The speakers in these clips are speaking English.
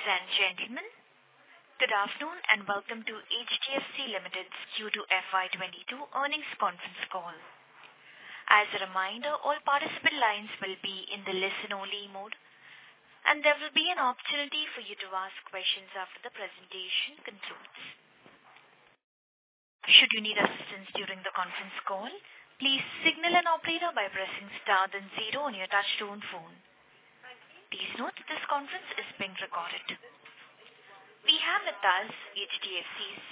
Ladies and gentlemen, good afternoon, and welcome to HDFC Limited's Q2 FY 2022 earnings conference call. As a reminder, all participant lines will be in the listen-only mode, and there will be an opportunity for you to ask questions after the presentation concludes. Should you need assistance during the conference call, please signal an operator by pressing star then zero on your touchtone phone. Please note this conference is being recorded. We have with us HDFC's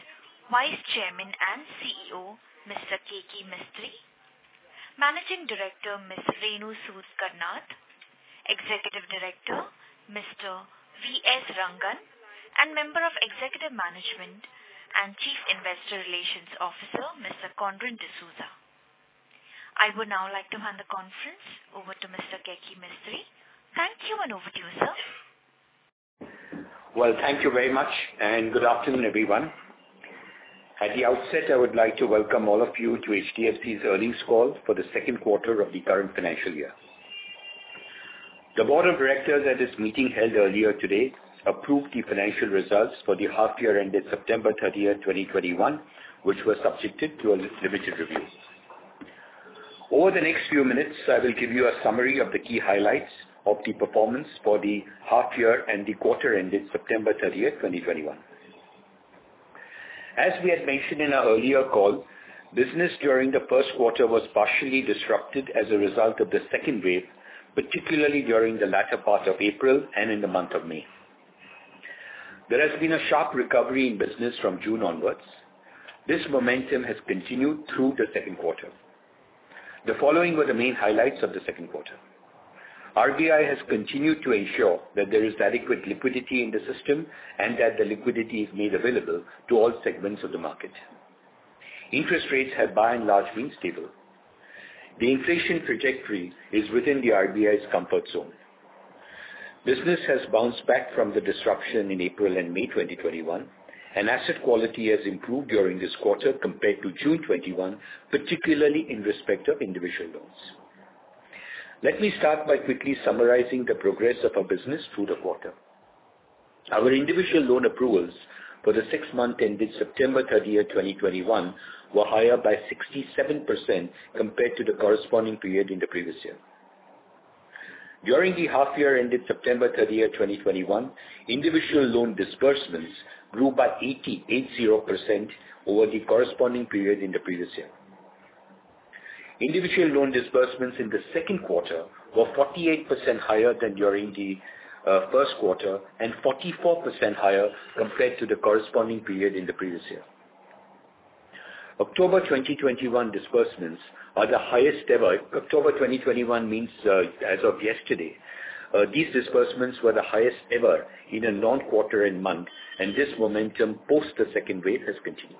Vice Chairman and CEO, Mr. Keki Mistry. Managing Director, Ms. Renu Sud Karnad. Executive Director, Mr. V.S. Rangan. And Member of Executive Management and Chief Investor Relations Officer, Mr. Conrad D'Souza. I would now like to hand the conference over to Mr. Keki Mistry. Thank you, and over to you, sir. Well, thank you very much, and good afternoon, everyone. At the outset, I would like to welcome all of you to HDFC's earnings call for the second quarter of the current financial year. The board of directors at its meeting held earlier today approved the financial results for the half year ended September 30th, 2021, which were subjected to a limited review. Over the next few minutes, I will give you a summary of the key highlights of the performance for the half year and the quarter ending September 30th, 2021. As we had mentioned in our earlier call, business during the first quarter was partially disrupted as a result of the second wave, particularly during the latter part of April and in the month of May. There has been a sharp recovery in business from June onwards. This momentum has continued through the second quarter. The following were the main highlights of the second quarter. RBI has continued to ensure that there is adequate liquidity in the system and that the liquidity is made available to all segments of the market. Interest rates have by and large been stable. The inflation trajectory is within the RBI's comfort zone. Business has bounced back from the disruption in April and May 2021, and asset quality has improved during this quarter compared to June 2021, particularly in respect of individual loans. Let me start by quickly summarizing the progress of our business through the quarter. Our individual loan approvals for the six months ending September 30th, 2021, were higher by 67% compared to the corresponding period in the previous year. During the half year ending September 30th, 2021, individual loan disbursements grew by 88% over the corresponding period in the previous year. Individual loan disbursements in the second quarter were 48% higher than during the first quarter and 44% higher compared to the corresponding period in the previous year. October 2021 disbursements are the highest ever. October 2021 means, as of yesterday, these disbursements were the highest ever in a non-quarter-end month, and this momentum post the second wave has continued.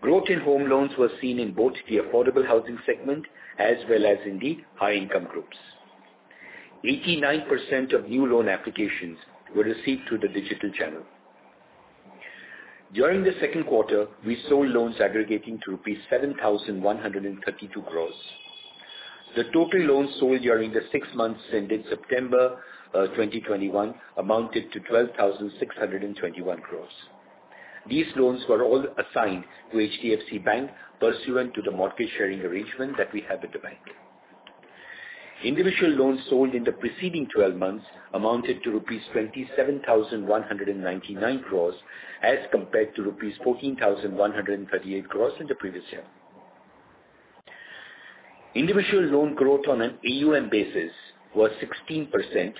Growth in home loans was seen in both the affordable housing segment as well as in the high-income groups. 89% of new loan applications were received through the digital channel. During the second quarter, we sold loans aggregating to rupees 7,132 crores. The total loans sold during the six months ending September 2021 amounted to 12,621 crores. These loans were all assigned to HDFC Bank pursuant to the mortgage sharing arrangement that we have with the bank. Individual loans sold in the preceding twelve months amounted to rupees 27,199 crores as compared to rupees 14,138 crores in the previous year. Individual loan growth on an AUM basis was 16%.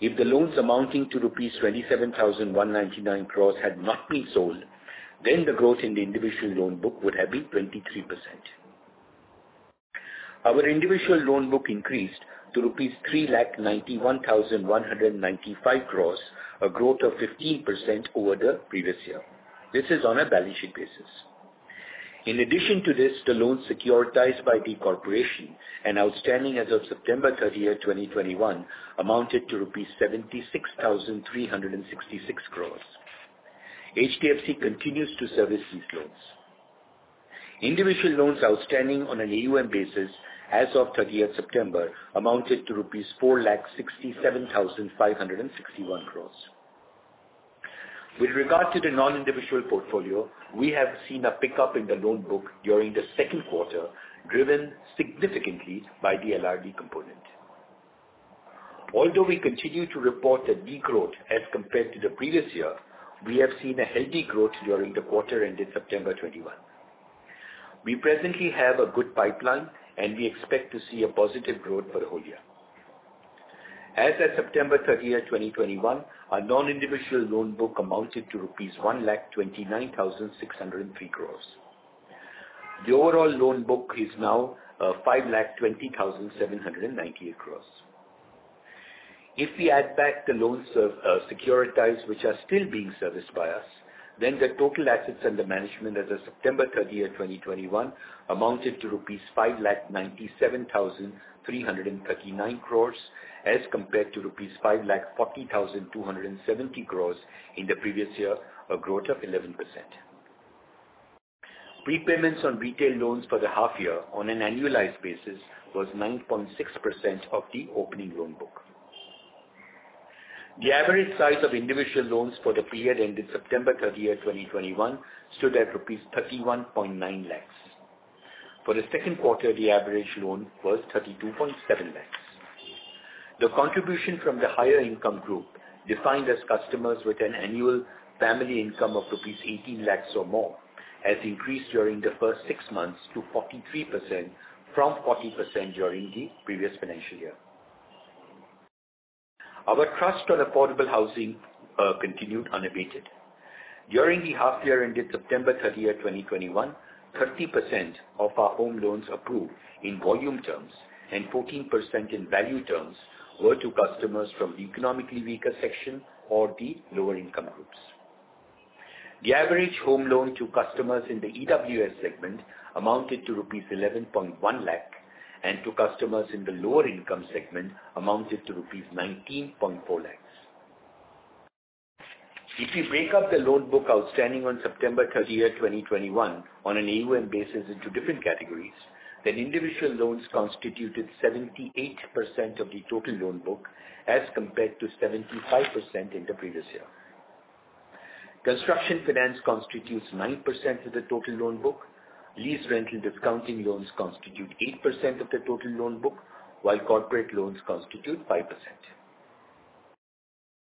If the loans amounting to rupees 27,199 crores had not been sold, then the growth in the individual loan book would have been 23%. Our individual loan book increased to 3,91,195 crores rupees, a growth of 15% over the previous year. This is on a balance sheet basis. In addition to this, the loans securitized by the corporation and outstanding as of September 30th, 2021, amounted to 76,366 crore rupees. HDFC continues to service these loans. Individual loans outstanding on an AUM basis as of 30th September amounted to rupees 4,67,561 crore. With regard to the non-individual portfolio, we have seen a pickup in the loan book during the second quarter, driven significantly by the LRD component. Although we continue to report a degrowth as compared to the previous year, we have seen a healthy growth during the quarter ending September 2021. We presently have a good pipeline, and we expect to see a positive growth for the whole year. As at September 30th, 2021, our non-individual loan book amounted to rupees 1,29,603 crore. The overall loan book is now 5,20,798 crore. If we add back the loans of securitized which are still being serviced by us, then the total assets under management as of September 30th, 2021, amounted to rupees 5,97,339 crore as compared to rupees 5,40,270 crore in the previous year, a growth of 11%. Repayments on retail loans for the half year on an annualized basis was 9.6% of the opening loan book. The average size of individual loans for the period ending September 30th, 2021, stood at INR 31.9 lakh. For the second quarter, the average loan was 32.7 lakh. The contribution from the higher income group, defined as customers with an annual family income of rupees 18 lakhs or more, has increased during the first six months to 43% from 40% during the previous financial year. Our thrust on affordable housing continued unabated. During the half year ending September 30th, 2021, 30% of our home loans approved in volume terms and 14% in value terms were to customers from economically weaker section or the lower income groups. The average home loan to customers in the EWS segment amounted to rupees 11.1 lakh, and to customers in the lower income segment amounted to rupees 19.4 lakhs. If you break up the loan book outstanding on September 30th, 2021 on an AUM basis into different categories, then individual loans constituted 78% of the total loan book as compared to 75% in the previous year. Construction finance constitutes 9% of the total loan book. Lease Rental Discounting loans constitute 8% of the total loan book, while corporate loans constitute 5%.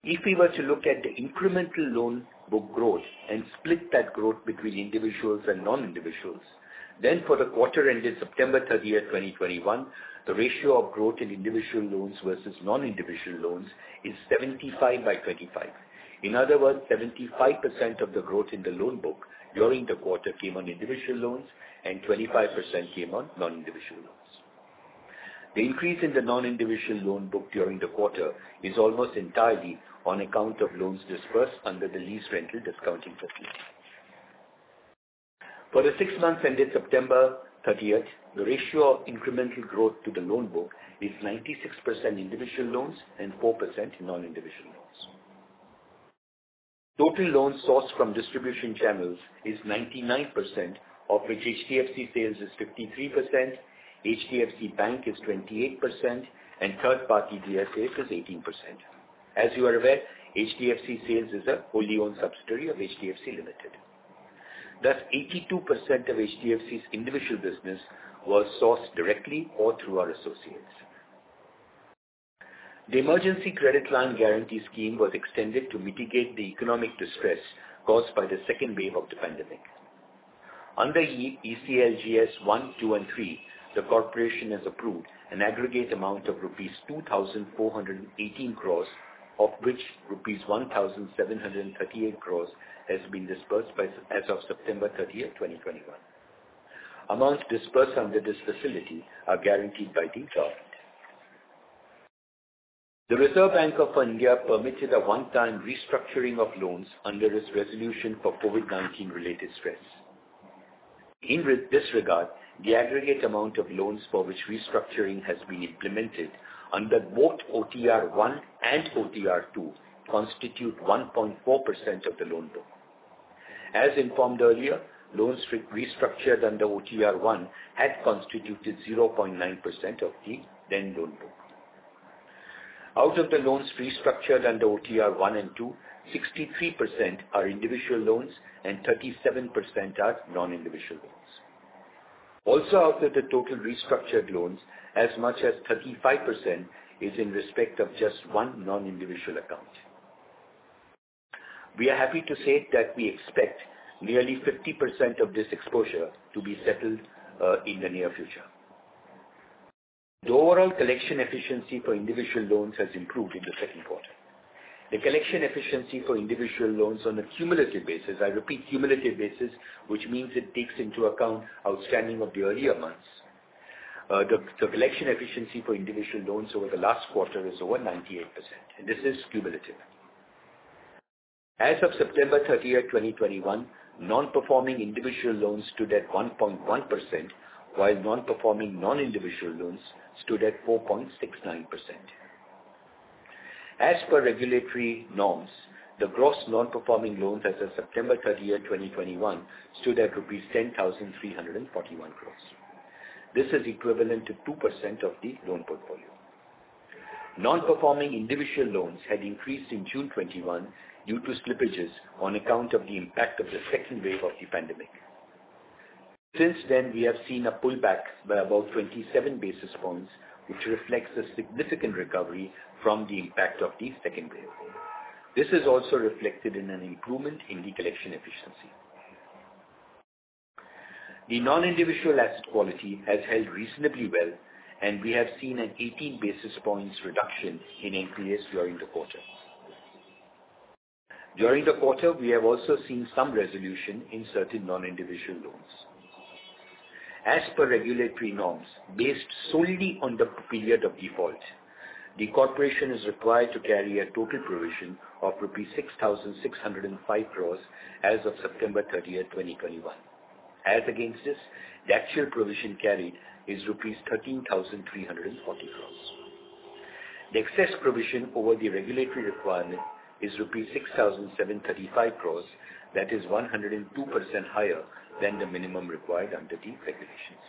If we were to look at the incremental loan book growth and split that growth between individuals and non-individuals, then for the quarter ending September 30th, 2021, the ratio of growth in individual loans versus non-individual loans is 75/25. In other words, 75% of the growth in the loan book during the quarter came on individual loans and 25% came on non-individual loans. The increase in the non-individual loan book during the quarter is almost entirely on account of loans dispersed under the lease rental discounting facility. For the six months ending September 30th, the ratio of incremental growth to the loan book is 96% individual loans and 4% non-individual loans. Total loans sourced from distribution channels is 99%, of which HDFC Sales is 53%, HDFC Bank is 28%, and third-party DSAs is 18%. As you are aware, HDFC Sales is a wholly-owned subsidiary of HDFC Limited. Thus, 82% of HDFC's individual business was sourced directly or through our associates. The Emergency Credit Line Guarantee Scheme was extended to mitigate the economic distress caused by the second wave of the pandemic. Under ECLGS 1.0, 2.0, and 3.0, the corporation has approved an aggregate amount of rupees 2,418 crore, of which rupees 1,738 crore has been disbursed as of September 30th, 2021. Amounts disbursed under this facility are guaranteed by the government. The Reserve Bank of India permitted a one-time restructuring of loans under its resolution for COVID-19 related stress. In this regard, the aggregate amount of loans for which restructuring has been implemented under both OTR 1 and OTR 2 constitute 1.4% of the loan book. As informed earlier, loans restructured under OTR 1 had constituted 0.9% of the then loan book. Out of the loans restructured under OTR 1 and 2, 63% are individual loans and 37% are non-individual loans. Out of the total restructured loans, as much as 35% is in respect of just one non-individual account. We are happy to say that we expect nearly 50% of this exposure to be settled in the near future. The overall collection efficiency for individual loans has improved in the second quarter. The collection efficiency for individual loans on a cumulative basis, I repeat, cumulative basis, which means it takes into account outstanding of the earlier months. The collection efficiency for individual loans over the last quarter is over 98%. This is cumulative. As of September 30th, 2021, non-performing individual loans stood at 1.1%, while non-performing non-individual loans stood at 4.69%. As per regulatory norms, the gross non-performing loans as of September 30th, 2021, stood at rupees 10,341 crores. This is equivalent to 2% of the loan portfolio. Non-performing individual loans had increased in June 2021 due to slippages on account of the impact of the second wave of the pandemic. Since then, we have seen a pullback by about 27 basis points, which reflects a significant recovery from the impact of the second wave. This is also reflected in an improvement in the collection efficiency. The non-individual asset quality has held reasonably well, and we have seen an 18 basis points reduction in NPAs during the quarter. During the quarter, we have also seen some resolution in certain non-individual loans. As per regulatory norms, based solely on the period of default, the corporation is required to carry a total provision of 6,605 crores rupees as of September 30th, 2021. As against this, the actual provision carried is rupees 13,340 crores. The excess provision over the regulatory requirement is rupees 6,735 crores, that is 102% higher than the minimum required under the regulations.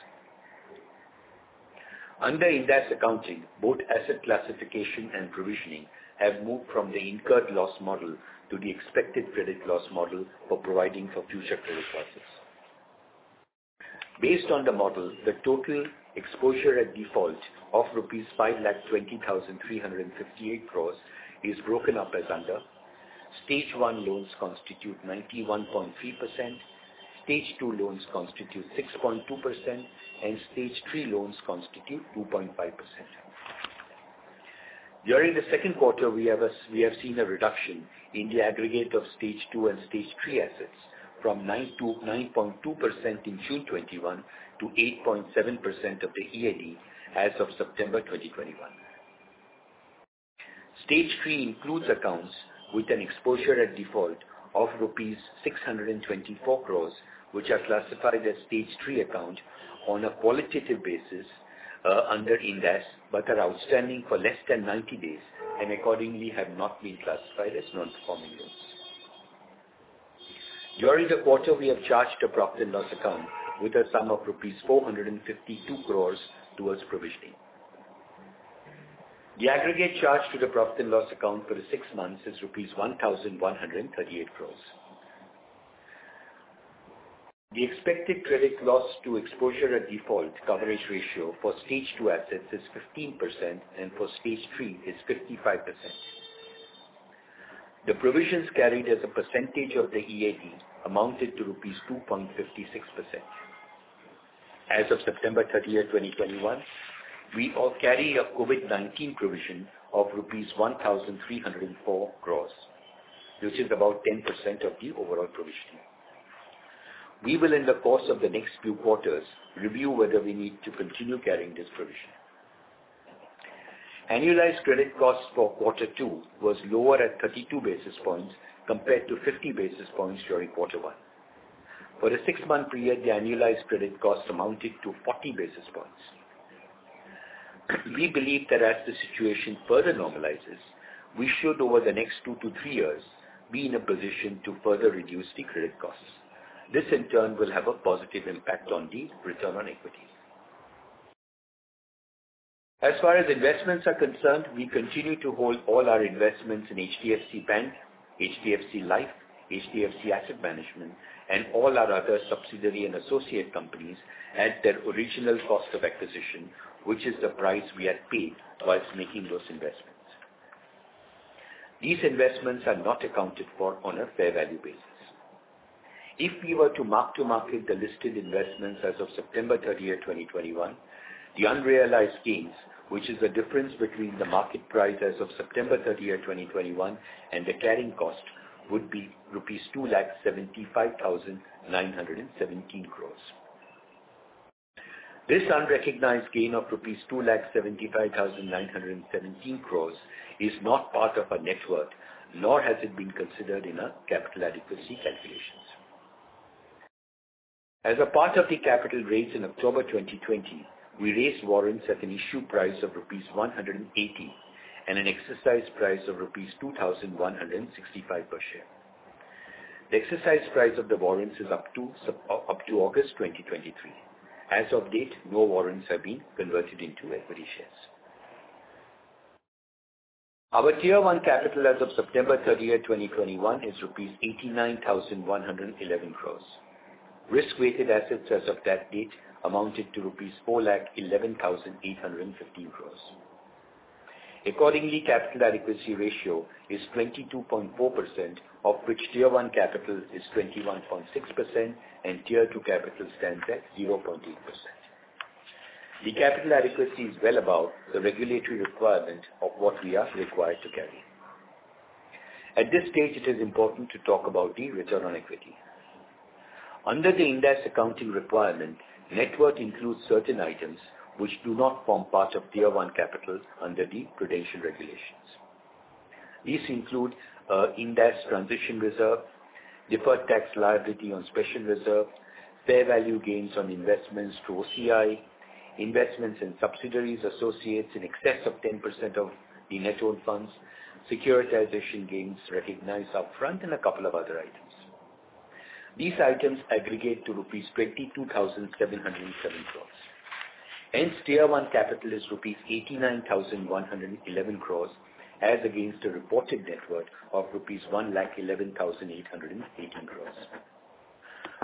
Under Ind AS accounting, both asset classification and provisioning have moved from the incurred loss model to the expected credit loss model for providing for future credit losses. Based on the model, the total exposure at default of rupees 520,358 crores is broken up as under, stage one loans constitute 91.3%, stage two loans constitute 6.2%, and stage three loans constitute 2.5%. During the second quarter we have seen a reduction in the aggregate of stage two and stage three assets from 9.2% in June 2021 to 8.7% of the EAD as of September 2021. Stage three includes accounts with an exposure at default of rupees 624 crores, which are classified as stage three account on a qualitative basis under Ind AS, but are outstanding for less than 90 days, and accordingly have not been classified as non-performing loans. During the quarter, we have charged a profit and loss account with a sum of rupees 452 crores towards provisioning. The aggregate charge to the profit and loss account for the six months is rupees 1,138 crores. The expected credit loss to exposure at default coverage ratio for stage two assets is 15% and for stage three is 55%. The provisions carried as a percentage of the EAD amounted to 2.56%. As of September 30th, 2021, we also carry a COVID-19 provision of rupees 1,304 crores, which is about 10% of the overall provisioning. We will, in the course of the next few quarters, review whether we need to continue carrying this provision. Annualized credit costs for quarter two was lower at 32 basis points compared to 50 basis points during quarter one. For the six-month period, the annualized credit costs amounted to 40 basis points. We believe that as the situation further normalizes, we should, over the next two to three years, be in a position to further reduce the credit costs. This, in turn, will have a positive impact on the return on equity. As far as investments are concerned, we continue to hold all our investments in HDFC Bank, HDFC Life, HDFC Asset Management, and all our other subsidiary and associate companies at their original cost of acquisition, which is the price we had paid while making those investments. These investments are not accounted for on a fair value basis. If we were to mark-to-market the listed investments as of September 30th, 2021, the unrealized gains, which is the difference between the market price as of September 30th, 2021, and the carrying cost, would be rupees 275,917 crore. This unrecognized gain of rupees 275,917 crore is not part of our net worth, nor has it been considered in our capital adequacy calculations. As part of the capital raise in October 2020, we raised warrants at an issue price of rupees 180 and an exercise price of rupees 2,165 per share. The exercise price of the warrants is up to August 2023. As of date, no warrants have been converted into equity shares. Our Tier I capital as of September 30th, 2021, is rupees 89,111 crore. Risk-weighted assets as of that date amounted to rupees 4,11,815 crore. Accordingly, capital adequacy ratio is 22.4%, of which Tier I capital is 21.6% and Tier II capital stands at 0.8%. The capital adequacy is well above the regulatory requirement of what we are required to carry. At this stage, it is important to talk about the return on equity. Under the Ind AS accounting requirement, net worth includes certain items which do not form part of Tier I capital under the prudential regulations. These include Ind AS transition reserve, deferred tax liability on special reserve, fair value gains on investments through OCI, investments in subsidiaries, associates in excess of 10% of the net owned funds, securitization gains recognized upfront, and a couple of other items. These items aggregate to rupees 22,707 crores. Hence, Tier I capital is rupees 89,111 crores as against a reported net worth of rupees 111,818 crores.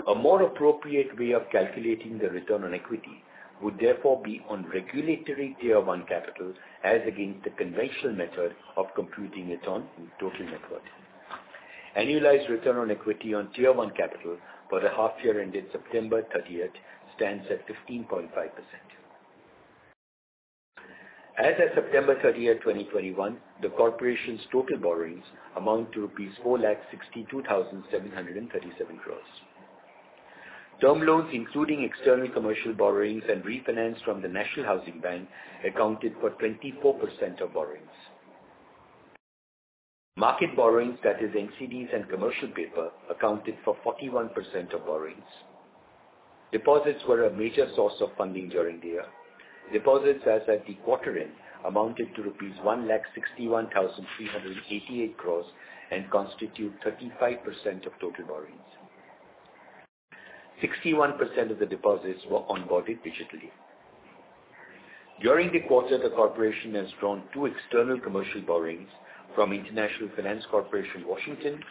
A more appropriate way of calculating the return on equity would therefore be on regulatory Tier I capital as against the conventional method of computing it on total net worth. Annualized return on equity on Tier I capital for the half year ended September 30th stands at 15.5%. As at September 30th, 2021, the corporation's total borrowings amount to 4,62,737 crore. Term loans, including external commercial borrowings and refinance from the National Housing Bank, accounted for 24% of borrowings. Market borrowings, that is NCDs and commercial paper, accounted for 41% of borrowings. Deposits were a major source of funding during the year. Deposits as at the quarter end amounted to rupees 1,61,388 crore and constitute 35% of total borrowings. 61% of the deposits were onboarded digitally. During the quarter, the corporation has drawn two external commercial borrowings from International Finance Corporation, Washington,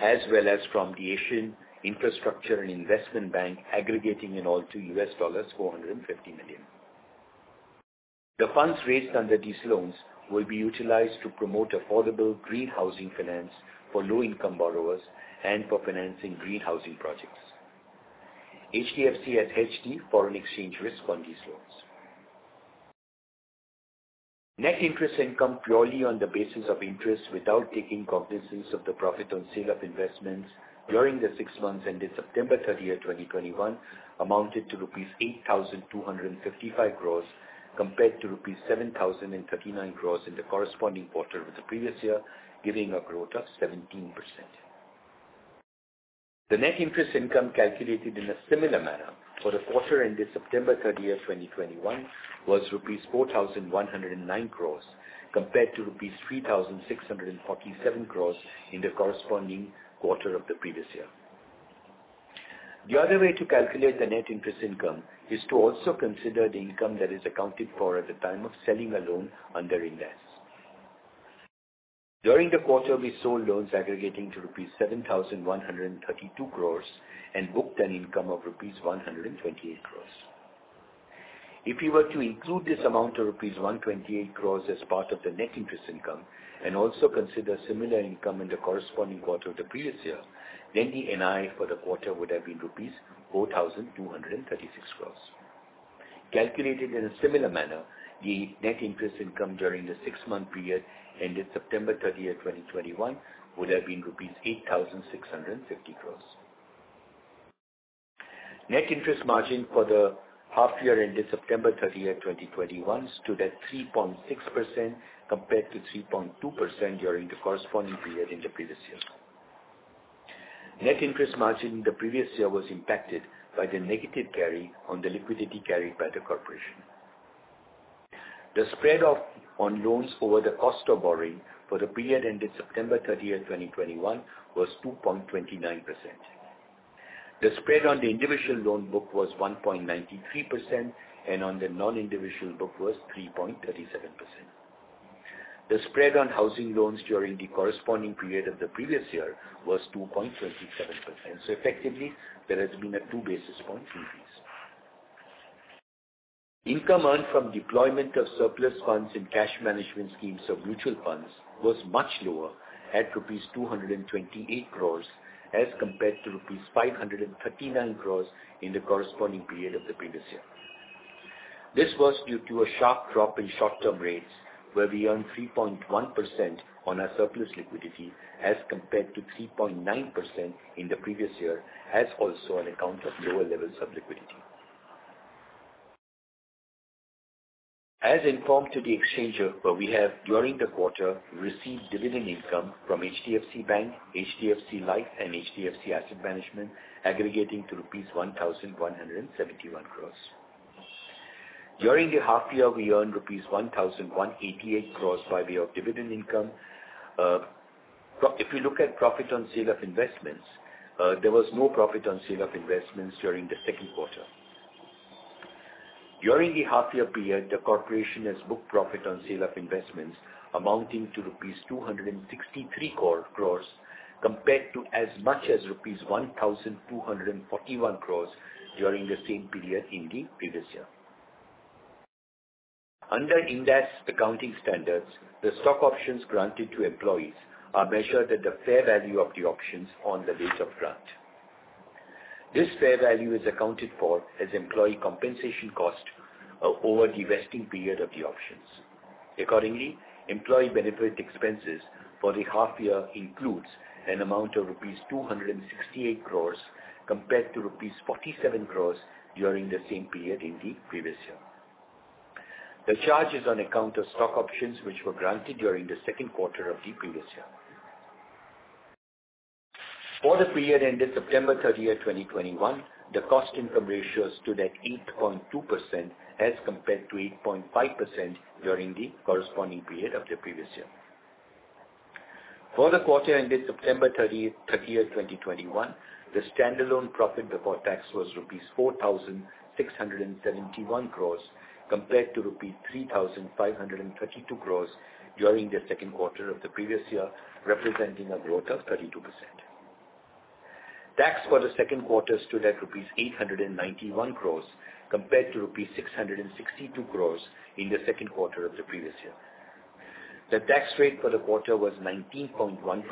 as well as from the Asian Infrastructure Investment Bank, aggregating in all to $450 million. The funds raised under these loans will be utilized to promote affordable green housing finance for low-income borrowers and for financing green housing projects. HDFC has hedged foreign exchange risk on these loans. Net interest income purely on the basis of interest without taking cognizance of the profit on sale of investments during the six months ended September 30th, 2021, amounted to rupees 8,255 crores compared to rupees 7,039 crores in the corresponding quarter of the previous year, giving a growth of 17%. The net interest income calculated in a similar manner for the quarter ended September 30th, 2021, was rupees 4,109 crore compared to rupees 3,647 crore in the corresponding quarter of the previous year. The other way to calculate the net interest income is to also consider the income that is accounted for at the time of selling a loan under Ind AS. During the quarter, we sold loans aggregating to 7,132 crore rupees and booked an income of 128 crore rupees. If you were to include this amount of 128 crore rupees as part of the net interest income and also consider similar income in the corresponding quarter of the previous year, then the NI for the quarter would have been rupees 4,236 crore. Calculated in a similar manner, the net interest income during the six-month period ended September 30th, 2021, would have been rupees 8,650 crores. Net interest margin for the half year ended September 30th, 2021, stood at 3.6% compared to 3.2% during the corresponding period in the previous year. Net interest margin in the previous year was impacted by the negative carry on the liquidity carried by the corporation. The spread on loans over the cost of borrowing for the period ended September 30th, 2021, was 2.29%. The spread on the individual loan book was 1.93% and on the non-individual book was 3.37%. The spread on housing loans during the corresponding period of the previous year was 2.27%. Effectively, there has been a 2 basis point increase. Income earned from deployment of surplus funds in cash management schemes of mutual funds was much lower at 228 crores rupees as compared to 539 crores rupees in the corresponding period of the previous year. This was due to a sharp drop in short-term rates, where we earned 3.1% on our surplus liquidity as compared to 3.9% in the previous year, as also on account of lower levels of liquidity. As informed to the exchange, we have during the quarter received dividend income from HDFC Bank, HDFC Life, and HDFC Asset Management aggregating to rupees 1,171 crores. During the half year, we earned rupees 1,188 crores by way of dividend income. If you look at profit on sale of investments, there was no profit on sale of investments during the second quarter. During the half year period, the corporation has booked profit on sale of investments amounting to rupees 263 crores compared to as much as rupees 1,241 crores during the same period in the previous year. Under Ind AS accounting standards, the stock options granted to employees are measured at the fair value of the options on the date of grant. This fair value is accounted for as employee compensation cost over the vesting period of the options. Accordingly, employee benefit expenses for the half year includes an amount of rupees 268 crores compared to rupees 47 crores during the same period in the previous year. The charge is on account of stock options which were granted during the second quarter of the previous year. For the period ended September 30th, 2021, the cost-income ratio stood at 8.2% as compared to 8.5% during the corresponding period of the previous year. For the quarter ended September 30th, 2021, the standalone profit before tax was rupees 4,671 crores compared to rupees 3,532 crores during the second quarter of the previous year, representing a growth of 32%. Tax for the second quarter stood at 891 crores rupees compared to 662 crores rupees in the second quarter of the previous year. The tax rate for the quarter was 19.1%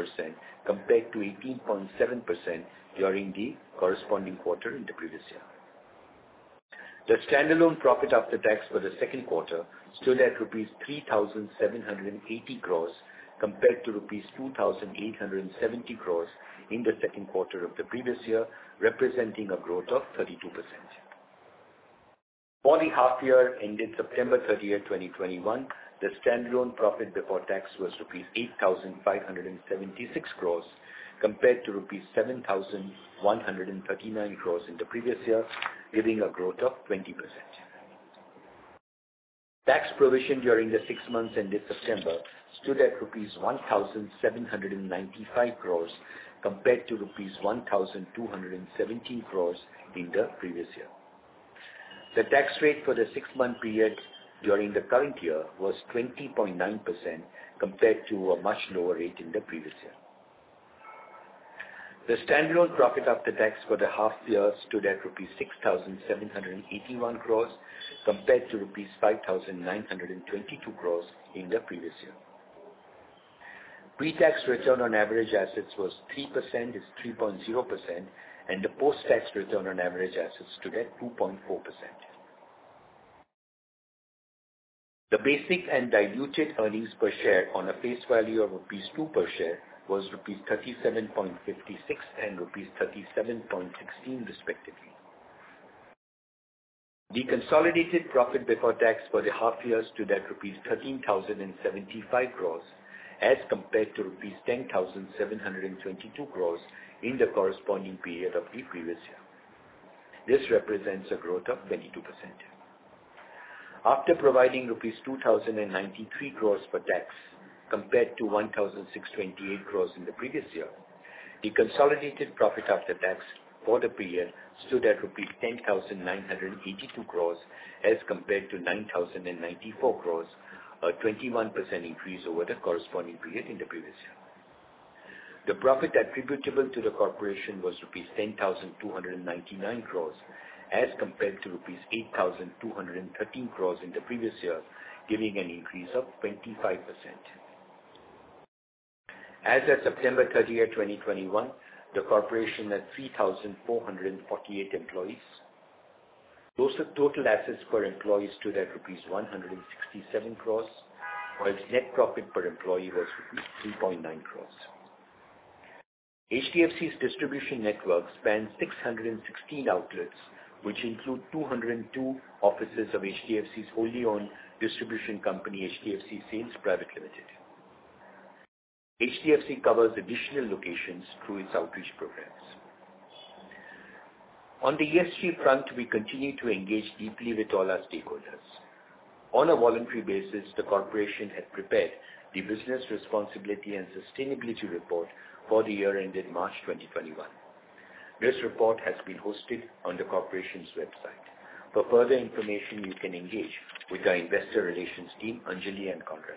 compared to 18.7% during the corresponding quarter in the previous year. The standalone profit after tax for the second quarter stood at rupees 3,780 crores compared to rupees 2,870 crores in the second quarter of the previous year, representing a growth of 32%. For the half year ended September 30th, 2021, the standalone profit before tax was rupees 8,576 crores, compared to rupees 7,139 crores in the previous year, giving a growth of 20%. Tax provision during the six months ended September stood at rupees 1,795 crores compared to rupees 1,217 crores in the previous year. The tax rate for the six-month period during the current year was 20.9% compared to a much lower rate in the previous year. The standalone profit after tax for the half year stood at rupees 6,781 crores compared to rupees 5,922 crores in the previous year. Pre-tax return on average assets was 3.0%, and the post-tax return on average assets stood at 2.4%. The basic and diluted earnings per share on a face value of rupees 2 per share was rupees 37.56 and rupees 37.16 respectively. The consolidated profit before tax for the half year stood at rupees 13,075 crores as compared to rupees 10,722 crores in the corresponding period of the previous year. This represents a growth of 22%. After providing rupees 2,093 crore for tax compared to 1,628 crore in the previous year, the consolidated profit after tax for the period stood at rupees 10,982 crore as compared to 9,094 crore, a 21% increase over the corresponding period in the previous year. The profit attributable to the corporation was INR 10,299 crore as compared to INR 8,213 crore in the previous year, giving an increase of 25%. As at September 30th, 2021, the corporation had 3,448 employees. Total assets per employee stood at rupees 167 crore, while net profit per employee was rupees 3.9 crore. HDFC's distribution network spans 616 outlets which include 202 offices of HDFC's wholly owned distribution company, HDFC Sales Private Limited. HDFC covers additional locations through its outreach programs. On the ESG front, we continue to engage deeply with all our stakeholders. On a voluntary basis, the corporation had prepared the business responsibility and sustainability report for the year ending March 2021. This report has been hosted on the corporation's website. For further information, you can engage with our investor relations team, Anjali and Conrad.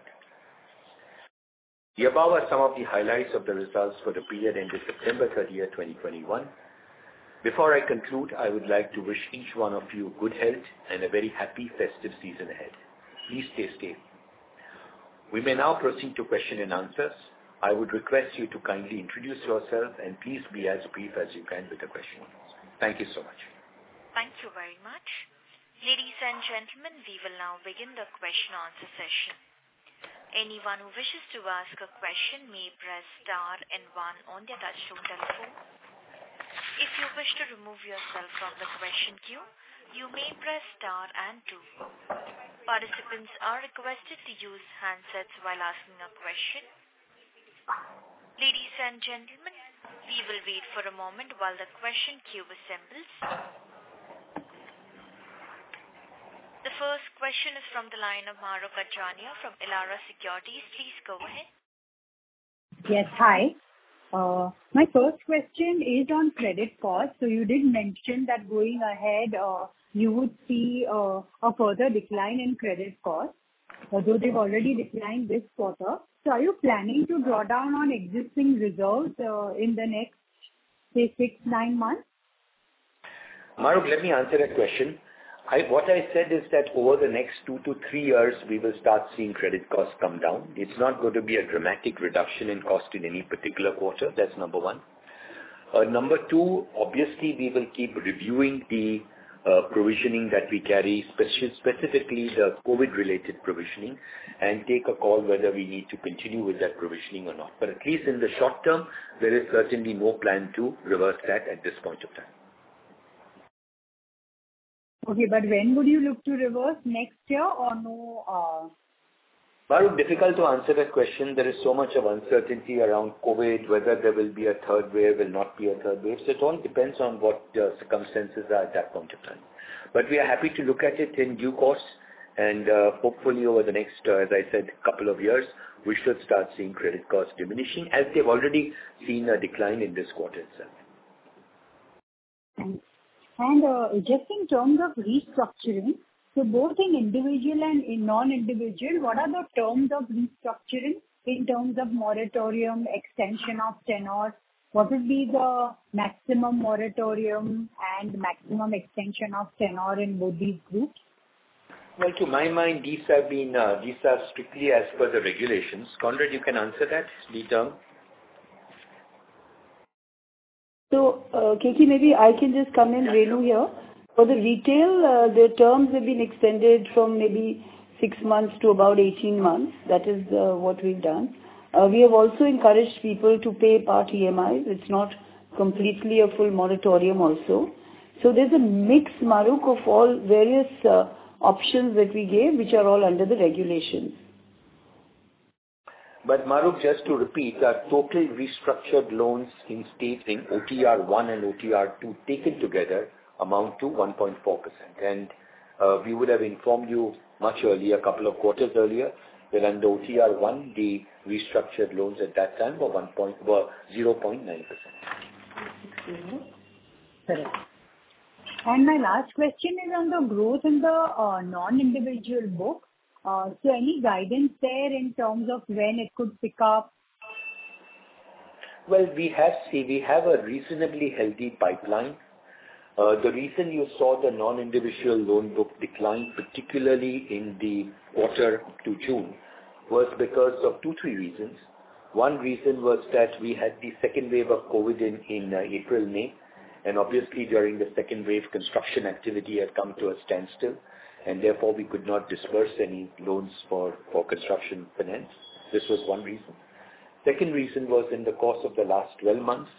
The above are some of the highlights of the results for the period ending September 30th, 2021. Before I conclude, I would like to wish each one of you good health and a very happy festive season ahead. Please stay safe. We may now proceed to question and answers. I would request you to kindly introduce yourself, and please be as brief as you can with the question. Thank you so much. Thank you very much. Ladies and gentlemen, we will now begin the question answer session. Anyone who wishes to ask a question may press star and one on their touchtone telephone. If you wish to remove yourself from the question queue, you may press star and two. Participants are requested to use handsets while asking a question. Ladies and gentlemen, we will wait for a moment while the question queue assembles. The first question is from the line of Mahrukh Adajania from Elara Securities. Please go ahead. Yes. Hi. My first question is on credit costs. You did mention that going ahead, you would see a further decline in credit costs, although they've already declined this quarter. Are you planning to draw down on existing reserves in the next, say, six, nine months? Mahrukh, let me answer that question. What I said is that over the next two to three years, we will start seeing credit costs come down. It's not going to be a dramatic reduction in cost in any particular quarter. That's number one. Number two, obviously, we will keep reviewing the provisioning that we carry, specifically the COVID-related provisioning, and take a call whether we need to continue with that provisioning or not. At least in the short term, there is certainly no plan to reverse that at this point of time. Okay, when would you look to reverse? Next year or no? Mahrukh, difficult to answer that question. There is so much of uncertainty around COVID, whether there will be a third wave, will not be a third wave. It all depends on what the circumstances are at that point in time. We are happy to look at it in due course and, hopefully over the next, as I said, couple of years, we should start seeing credit costs diminishing as they've already seen a decline in this quarter itself. Thanks. Just in terms of restructuring, so both in individual and in non-individual, what are the terms of restructuring in terms of moratorium, extension of tenure? What would be the maximum moratorium and maximum extension of tenure in both these groups? Well, to my mind, these have been, these are strictly as per the regulations. Conran, you can answer that in detail. KK, maybe I can just come in, Renu here. For the retail, the terms have been extended from maybe six months to about 18 months. That is what we've done. We have also encouraged people to pay part EMIs. It's not completely a full moratorium also. There's a mix, Mahrukh, of all various options that we gave, which are all under the regulations. Mahrukh, just to repeat, our total restructured loans in stages in OTR 1 and OTR 2 taken together amount to 1.4%. We would have informed you much earlier, a couple of quarters earlier, that under OTR 1, the restructured loans at that time were 0.9%. Correct. My last question is on the growth in the non-individual book. Any guidance there in terms of when it could pick up? Well, we have a reasonably healthy pipeline. The reason you saw the non-individual loan book decline, particularly in the quarter to June, was because of two, three reasons. One reason was that we had the second wave of COVID in April, May, and obviously during the second wave, construction activity had come to a standstill and therefore we could not disperse any loans for construction finance. This was one reason. Second reason was in the course of the last 12 months,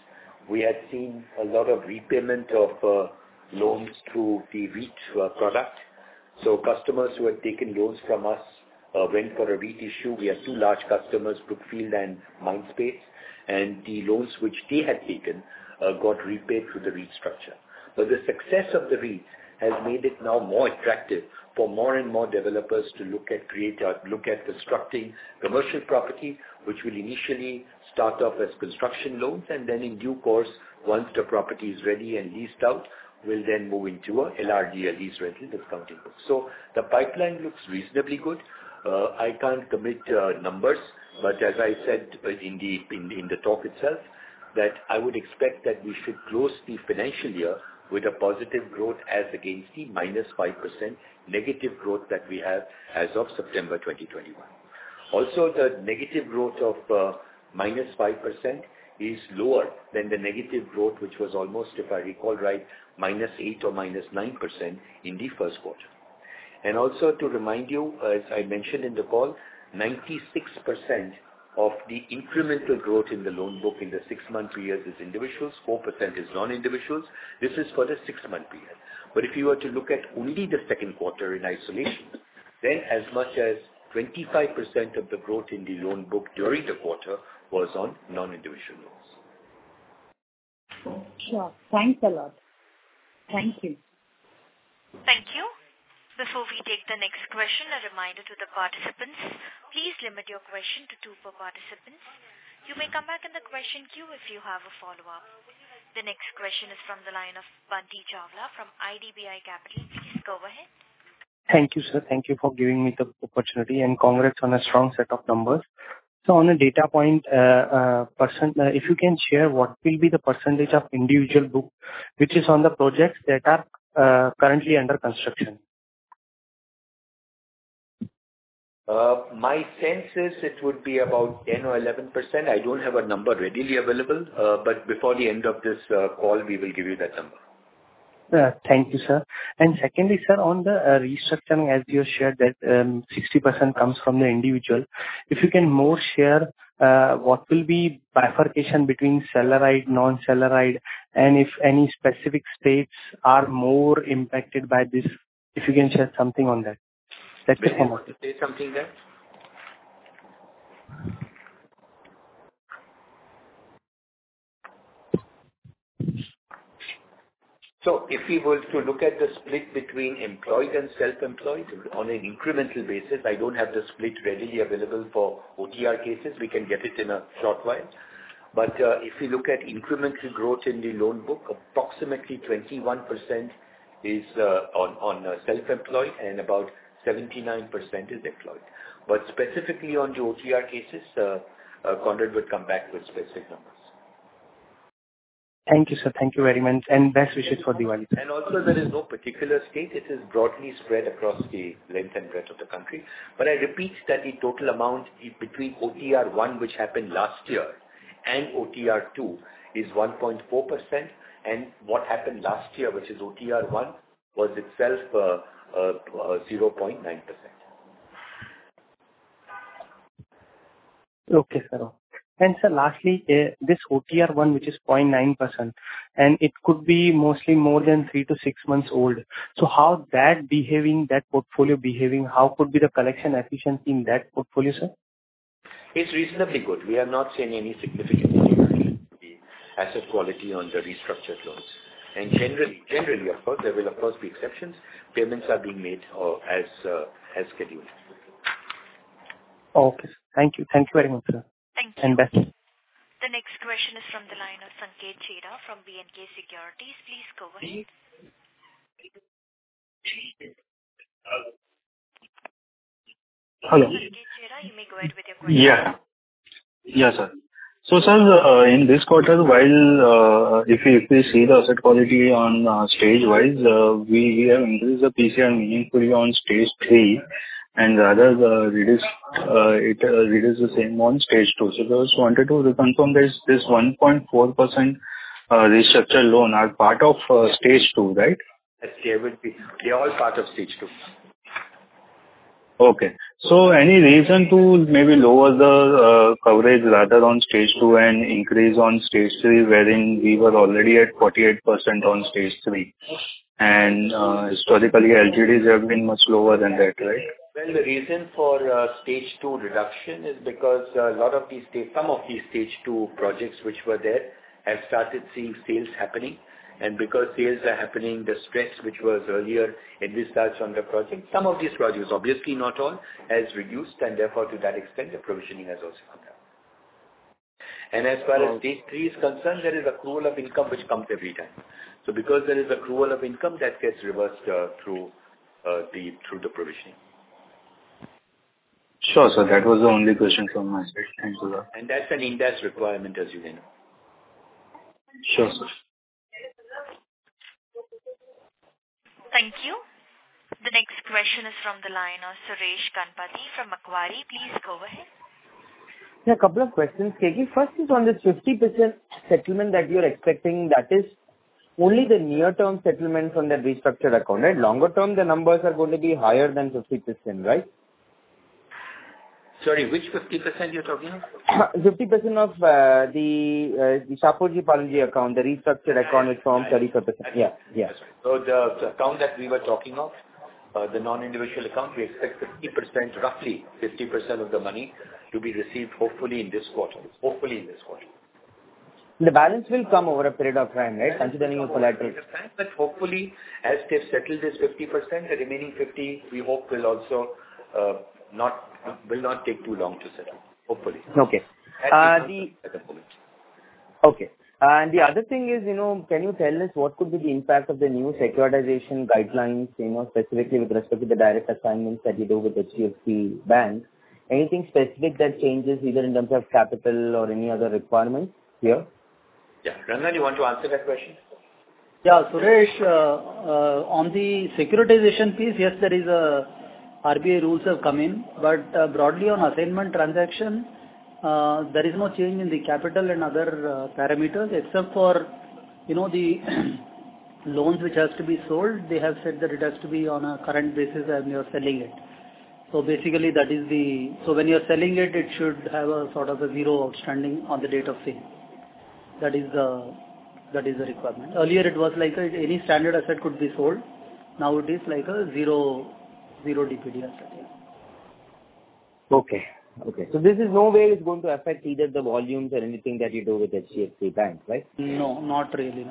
we had seen a lot of repayment of loans through the REIT product. So customers who had taken loans from us went for a REIT issue. We have two large customers, Brookfield and Mindspace, and the loans which they had taken got repaid through the REIT structure. The success of the REIT has made it now more attractive for more and more developers to look at constructing commercial property, which will initially start off as construction loans and then in due course, once the property is ready and leased out, will then move into a LRD lease rental discounting book. The pipeline looks reasonably good. I can't commit numbers, but as I said in the talk itself, that I would expect that we should close the financial year with a positive growth as against the -5% negative growth that we have as of September 2021. Also, the negative growth of -5% is lower than the negative growth, which was almost, if I recall right, -8% or -9% in the first quarter. Also to remind you, as I mentioned in the call, 96% of the incremental growth in the loan book in the six-month period is individuals, 4% is non-individuals. This is for the six-month period. If you were to look at only the second quarter in isolation, then as much as 25% of the growth in the loan book during the quarter was on non-individual loans. Sure. Thanks a lot. Thank you. Thank you. Before we take the next question, a reminder to the participants, please limit your question to two per participant. You may come back in the question queue if you have a follow-up. The next question is from the line of Bunty Chawla from IDBI Capital. Please go ahead. Thank you, sir. Thank you for giving me the opportunity and congrats on a strong set of numbers. On a data point, percent, if you can share what will be the percentage of individual book which is on the projects that are currently under construction? My sense is it would be about 10 or 11%. I don't have a number readily available, but before the end of this call, we will give you that number. Thank you, sir. Secondly, sir, on the restructuring, as you shared that 60% comes from the individual. If you can more share what will be bifurcation between salaried, non-salaried, and if any specific states are more impacted by this, if you can share something on that. That's the first one. Wait, Conrad, say something there? If we were to look at the split between employed and self-employed on an incremental basis, I don't have the split readily available for OTR cases. We can get it in a short while. If you look at incremental growth in the loan book, approximately 21% is on self-employed and about 79% is employed. Specifically on the OTR cases, Conrad would come back with specific numbers. Thank you, sir. Thank you very much and best wishes for Diwali. Also there is no particular state. It is broadly spread across the length and breadth of the country. I repeat that the total amount between OTR one, which happened last year, and OTR two is 1.4%. What happened last year, which is OTR one, was itself 0.9%. Okay, sir. Sir, lastly, this OTR one, which is 0.9%, and it could be mostly more than three to six months old. How that behaving, that portfolio behaving, how could be the collection efficiency in that portfolio, sir? It's reasonably good. We are not seeing any significant deterioration to the asset quality on the restructured loans. Generally, of course, there will of course be exceptions. Payments are being made as scheduled. Okay. Thank you. Thank you very much, sir. Thank you. Best. The next question is from the line of Sanket Chheda from B&K Securities. Please go ahead. Hello. Sanket Chheda, you may go ahead with your question. Yeah. Yeah, sir. Sir, in this quarter, if we see the asset quality stage-wise, we have increased the PCR meaningfully on stage three and rather reduced the same on stage two. I just wanted to reconfirm this 1.4% restructured loans are part of stage two, right? Yes. They will be. They're all part of stage two. Any reason to maybe lower the coverage rather on stage two and increase on stage three, wherein we were already at 48% on stage three? Historically, LGDs have been much lower than that, right? Well, the reason for stage two reduction is because a lot of these, some of these stage two projects which were there have started seeing sales happening. Because sales are happening, the stress which was earlier in this stage on the project, some of these projects, obviously not all, has reduced. Therefore, to that extent, the provisioning has also come down. As far as stage three is concerned, there is accrual of income which comes every time. Because there is accrual of income that gets reversed through the provisioning. Sure, sir. That was the only question from my side. Thanks a lot. That's an Ind AS requirement as you know. Sure, sir. Thank you. The next question is from the line of Suresh Ganapathy from Macquarie. Please go ahead. Yeah, a couple of questions, Keki. First is on this 50% settlement that you're expecting. That is only the near-term settlement from that restructured account, right? Longer term, the numbers are gonna be higher than 50%, right? Sorry, which 50% you're talking about? 50% of the Shapoorji Pallonji account, the restructured account which forms 30%. Yeah. Yeah. The account that we were talking of, the non-individual account, we expect 50%, roughly 50% of the money to be received, hopefully in this quarter. The balance will come over a period of time, right, considering your collateral? Hopefully, as they've settled this 50%, the remaining 50% we hope will also not take too long to settle. Hopefully. Okay. At this point. Okay. The other thing is, you know, can you tell us what could be the impact of the new securitization guidelines, you know, specifically with respect to the direct assignments that you do with HDFC Bank? Anything specific that changes either in terms of capital or any other requirements here? Yeah. Rangan, you want to answer that question? Yeah. Suresh, on the securitization piece, yes, there is a RBI rules have come in, but broadly on assignment transaction, there is no change in the capital and other parameters except for, you know, the loans which has to be sold. They have said that it has to be on a current basis when you're selling it. Basically, that is when you're selling it should have a sort of a zero outstanding on the date of sale. That is the requirement. Earlier it was like any standard asset could be sold. Now it is like a zero DPD. Okay. This in no way is going to affect either the volumes or anything that you do with HDFC Bank, right? No, not really.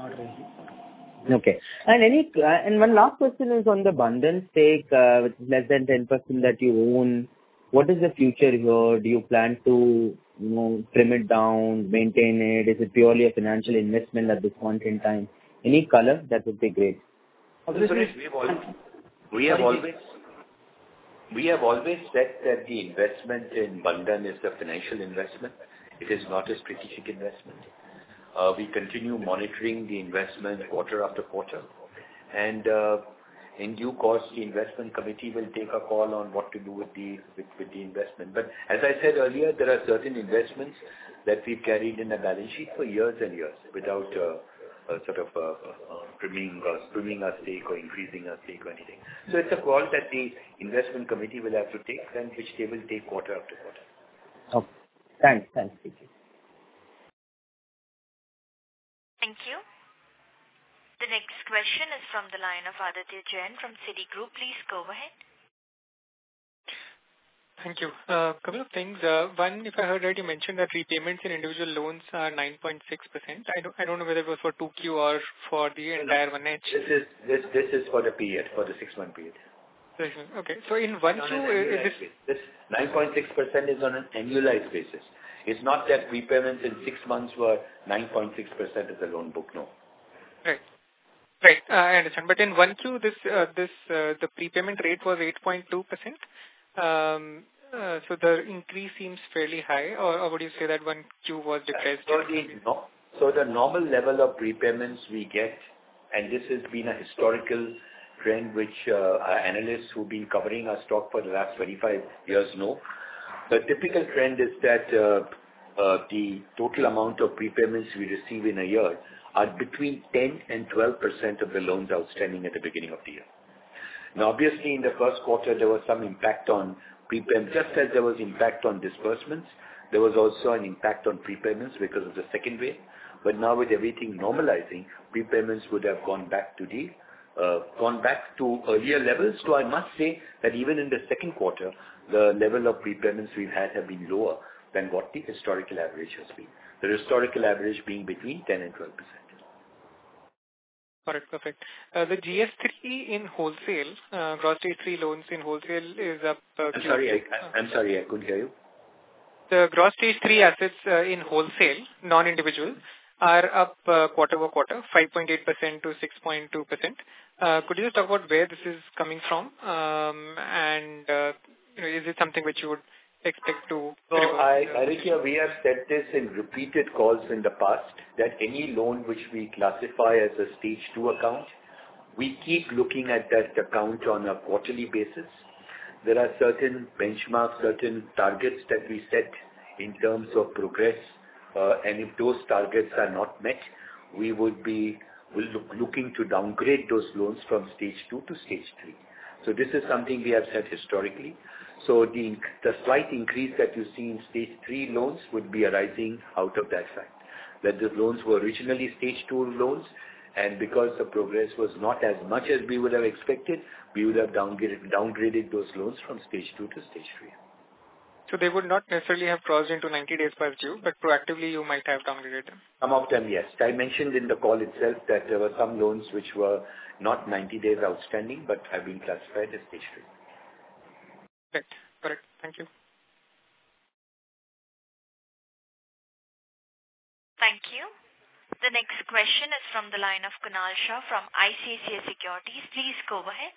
One last question is on the Bandhan stake, which is less than 10% that you own. What is the future here? Do you plan to, you know, trim it down, maintain it? Is it purely a financial investment at this point in time? Any color? That would be great. We have always said that the investment in Bandhan is a financial investment. It is not a strategic investment. We continue monitoring the investment quarter after quarter. Okay. In due course, the investment committee will take a call on what to do with the investment. As I said earlier, there are certain investments that we've carried in the balance sheet for years and years without sort of trimming our stake or increasing our stake or anything. It's a call that the investment committee will have to take and which they will take quarter after quarter. Okay. Thanks. Thanks, KG. Thank you. The next question is from the line of Aditya Jain from Citigroup. Please go ahead. Thank you. Couple of things. One, if I heard right, you mentioned that repayments in individual loans are 9.6%. I don't know whether it was for 2Q or for the entire 1H. This is for the six-month period. Six months. Okay. In one, two, is this? This 9.6% is on an annualized basis. It's not that repayments in six months were 9.6% as a loan book, no. Right. I understand. In Q1, Q2, the prepayment rate was 8.2%. The increase seems fairly high. Would you say that Q1, Q2 was depressed? The normal level of prepayments we get, and this has been a historical trend which, our analysts who've been covering our stock for the last 25 years know. The typical trend is that, the total amount of prepayments we receive in a year are between 10%-12% of the loans outstanding at the beginning of the year. Now, obviously, in the first quarter, there was some impact on prepayments. Just as there was impact on disbursements, there was also an impact on prepayments because of the second wave. Now with everything normalizing, prepayments would have gone back to earlier levels. I must say that even in the second quarter, the level of prepayments we've had have been lower than what the historical average has been. The historical average being between 10%-12%. Got it. Perfect. The gross stage three loans in wholesale is up. I'm sorry, I couldn't hear you. The gross stage three assets in wholesale, non-individual, are up quarter-over-quarter 5.8%-6.2%. Could you just talk about where this is coming from? You know, is it something which you would expect to? Aditya, we have said this in repeated calls in the past that any loan which we classify as a stage two account, we keep looking at that account on a quarterly basis. There are certain benchmarks, certain targets that we set in terms of progress. And if those targets are not met, we will be looking to downgrade those loans from stage two to stage three. This is something we have said historically. The slight increase that you see in stage three loans would be arising out of that fact, that the loans were originally stage two loans and because the progress was not as much as we would have expected, we would have downgraded those loans from stage two to stage three. They would not necessarily have crossed into 90 days past due, but proactively you might have downgraded them. Some of them, yes. I mentioned in the call itself that there were some loans which were not 90 days outstanding but have been classified as stage three. Correct. Thank you. Thank you. The next question is from the line of Kunal Shah from ICICI Securities. Please go ahead.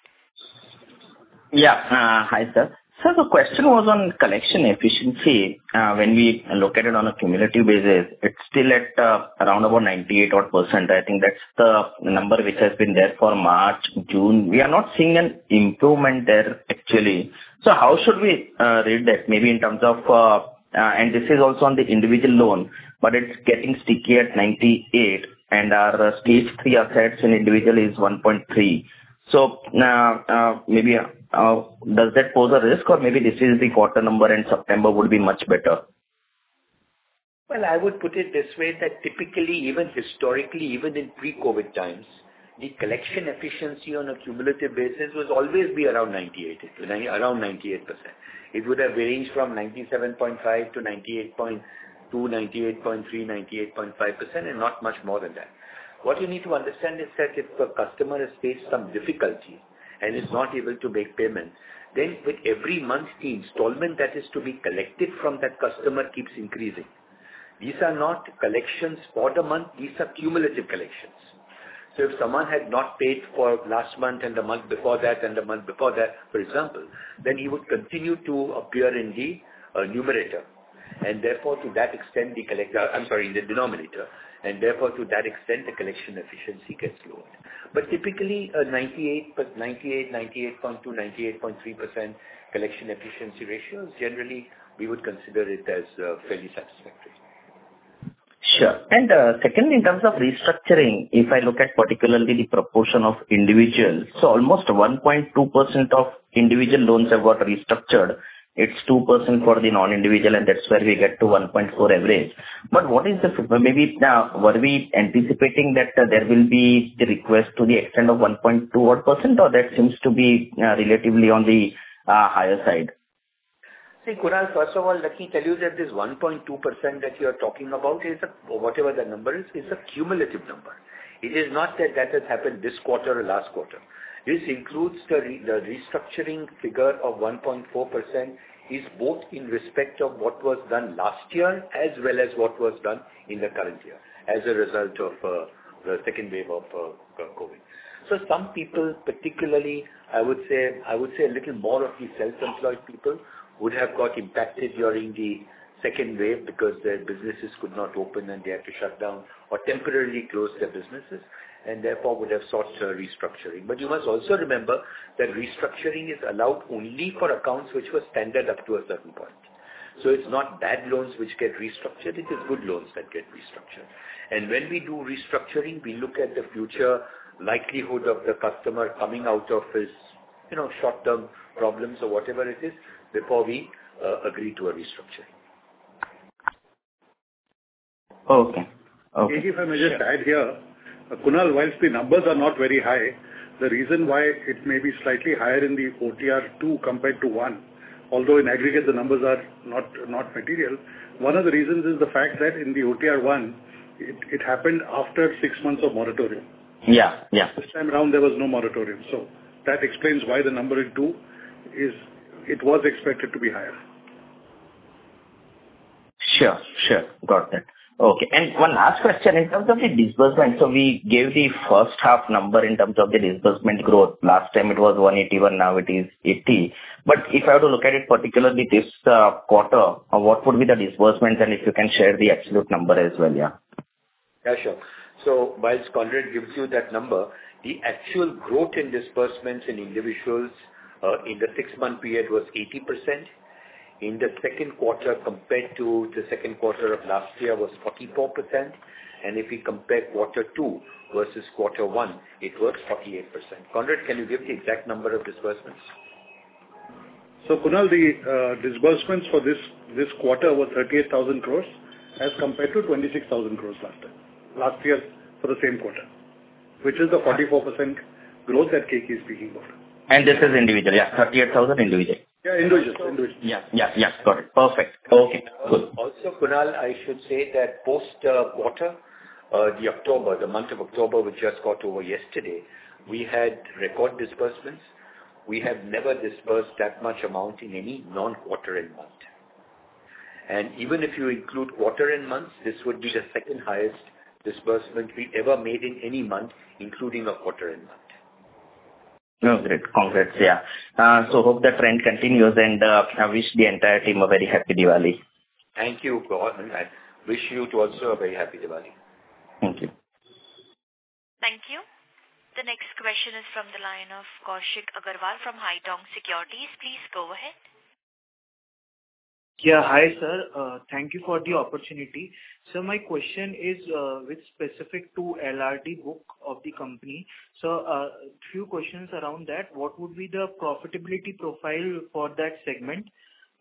Yeah. Hi, sir. Sir, the question was on collection efficiency. When we look at it on a cumulative basis, it's still at around about 98 odd%. I think that's the number which has been there for March, June. We are not seeing an improvement there, actually. How should we read that maybe in terms of and this is also on the individual loan, but it's getting sticky at 98 and our stage three assets in individual is 1.3. Now, maybe, does that pose a risk or maybe this is the quarter number and September would be much better? Well, I would put it this way, that typically even historically, even in pre-COVID times, the collection efficiency on a cumulative basis would always be around 98, around 98%. It would have ranged from 97.5 to 98.2, 98.3, 98.5% and not much more than that. What you need to understand is that if a customer has faced some difficulty and is not able to make payments, then with every month the installment that is to be collected from that customer keeps increasing. These are not collections for the month, these are cumulative collections. If someone had not paid for last month and the month before that and the month before that, for example, then he would continue to appear in the numerator and therefore to that extent the collect I'm sorry, in the denominator, and therefore to that extent the collection efficiency gets lowered. Typically, 98.2, 98.3% collection efficiency ratios, generally we would consider it as fairly satisfactory. Sure. Second, in terms of restructuring, if I look at particularly the proportion of individuals, so almost 1.2% of individual loans have got restructured. It's 2% for the non-individual, and that's where we get to 1.4 average. But maybe were we anticipating that there will be the request to the extent of 1.2 odd % or that seems to be relatively on the higher side? See, Kunal, first of all, let me tell you that this 1.2% that you're talking about is a, whatever the number is a cumulative number. It is not that that has happened this quarter or last quarter. This includes the restructuring figure of 1.4% is both in respect of what was done last year as well as what was done in the current year as a result of the second wave of COVID. Some people, particularly I would say a little more of the self-employed people would have got impacted during the second wave because their businesses could not open and they had to shut down or temporarily close their businesses and therefore would have sought a restructuring. You must also remember that restructuring is allowed only for accounts which were standard up to a certain point. It's not bad loans which get restructured, it is good loans that get restructured. When we do restructuring, we look at the future likelihood of the customer coming out of his, you know, short-term problems or whatever it is before we agree to a restructuring. Okay. Okay. Maybe if I may just add here. Kunal, whilst the numbers are not very high, the reason why it may be slightly higher in the OTR two compared to one, although in aggregate the numbers are not material, one of the reasons is the fact that in the OTR one it happened after six months of moratorium. Yeah. Yeah. This time around there was no moratorium. That explains why the number in two is, it was expected to be higher. Sure. Got that. Okay. One last question. In terms of the disbursement, so we gave the first half number in terms of the disbursement growth. Last time it was 181, now it is 80. But if I were to look at it particularly this quarter, what would be the disbursements and if you can share the absolute number as well, yeah. Yeah, sure. Whilst Conrad gives you that number, the actual growth in disbursements in individuals in the six-month period was 80%. In the second quarter compared to the second quarter of last year was 44%. If we compare quarter two versus quarter one, it was 48%. Conrad, can you give the exact number of disbursements? Kunal, the disbursements for this quarter were 38,000 crore as compared to 26,000 crore last year for the same quarter, which is the 44% growth that Keki is speaking about. This is individual, yeah. 38,000 individual. Yeah, individual. Yeah. Got it. Perfect. Okay, good. Also, Kunal, I should say that post quarter, the October, the month of October, which just got over yesterday, we had record disbursements. We have never disbursed that much amount in any non-quarter end month. Even if you include quarter end months, this would be the second highest disbursement we ever made in any month, including a quarter end month. Oh, great. Congrats. Yeah. Hope that trend continues, and I wish the entire team a very happy Diwali. Thank you, Kunal, and I wish you too also a very happy Diwali. Thank you. Thank you. The next question is from the line of Kaushik Agarwal from Haitong Securities. Please go ahead. Hi, sir. Thank you for the opportunity. My question is, with respect to LRD book of the company. Two questions around that. What would be the profitability profile for that segment?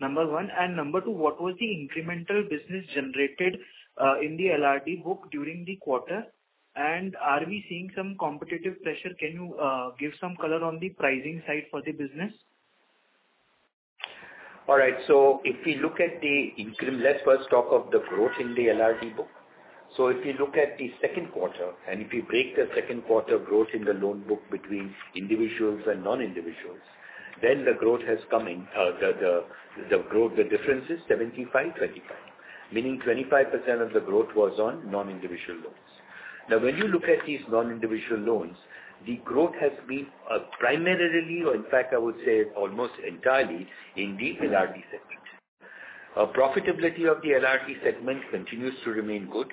Number one. Number two, what was the incremental business generated in the LRD book during the quarter? Are we seeing some competitive pressure? Can you give some color on the pricing side for the business? All right. If we look at the increment, let's first talk of the growth in the LRD book. If you look at the second quarter, and if you break the second quarter growth in the loan book between individuals and non-individuals, then the growth has come in, the difference is 75-25. Meaning 25% of the growth was on non-individual loans. Now, when you look at these non-individual loans, the growth has been primarily or in fact I would say almost entirely in the LRD segment. Profitability of the LRD segment continues to remain good.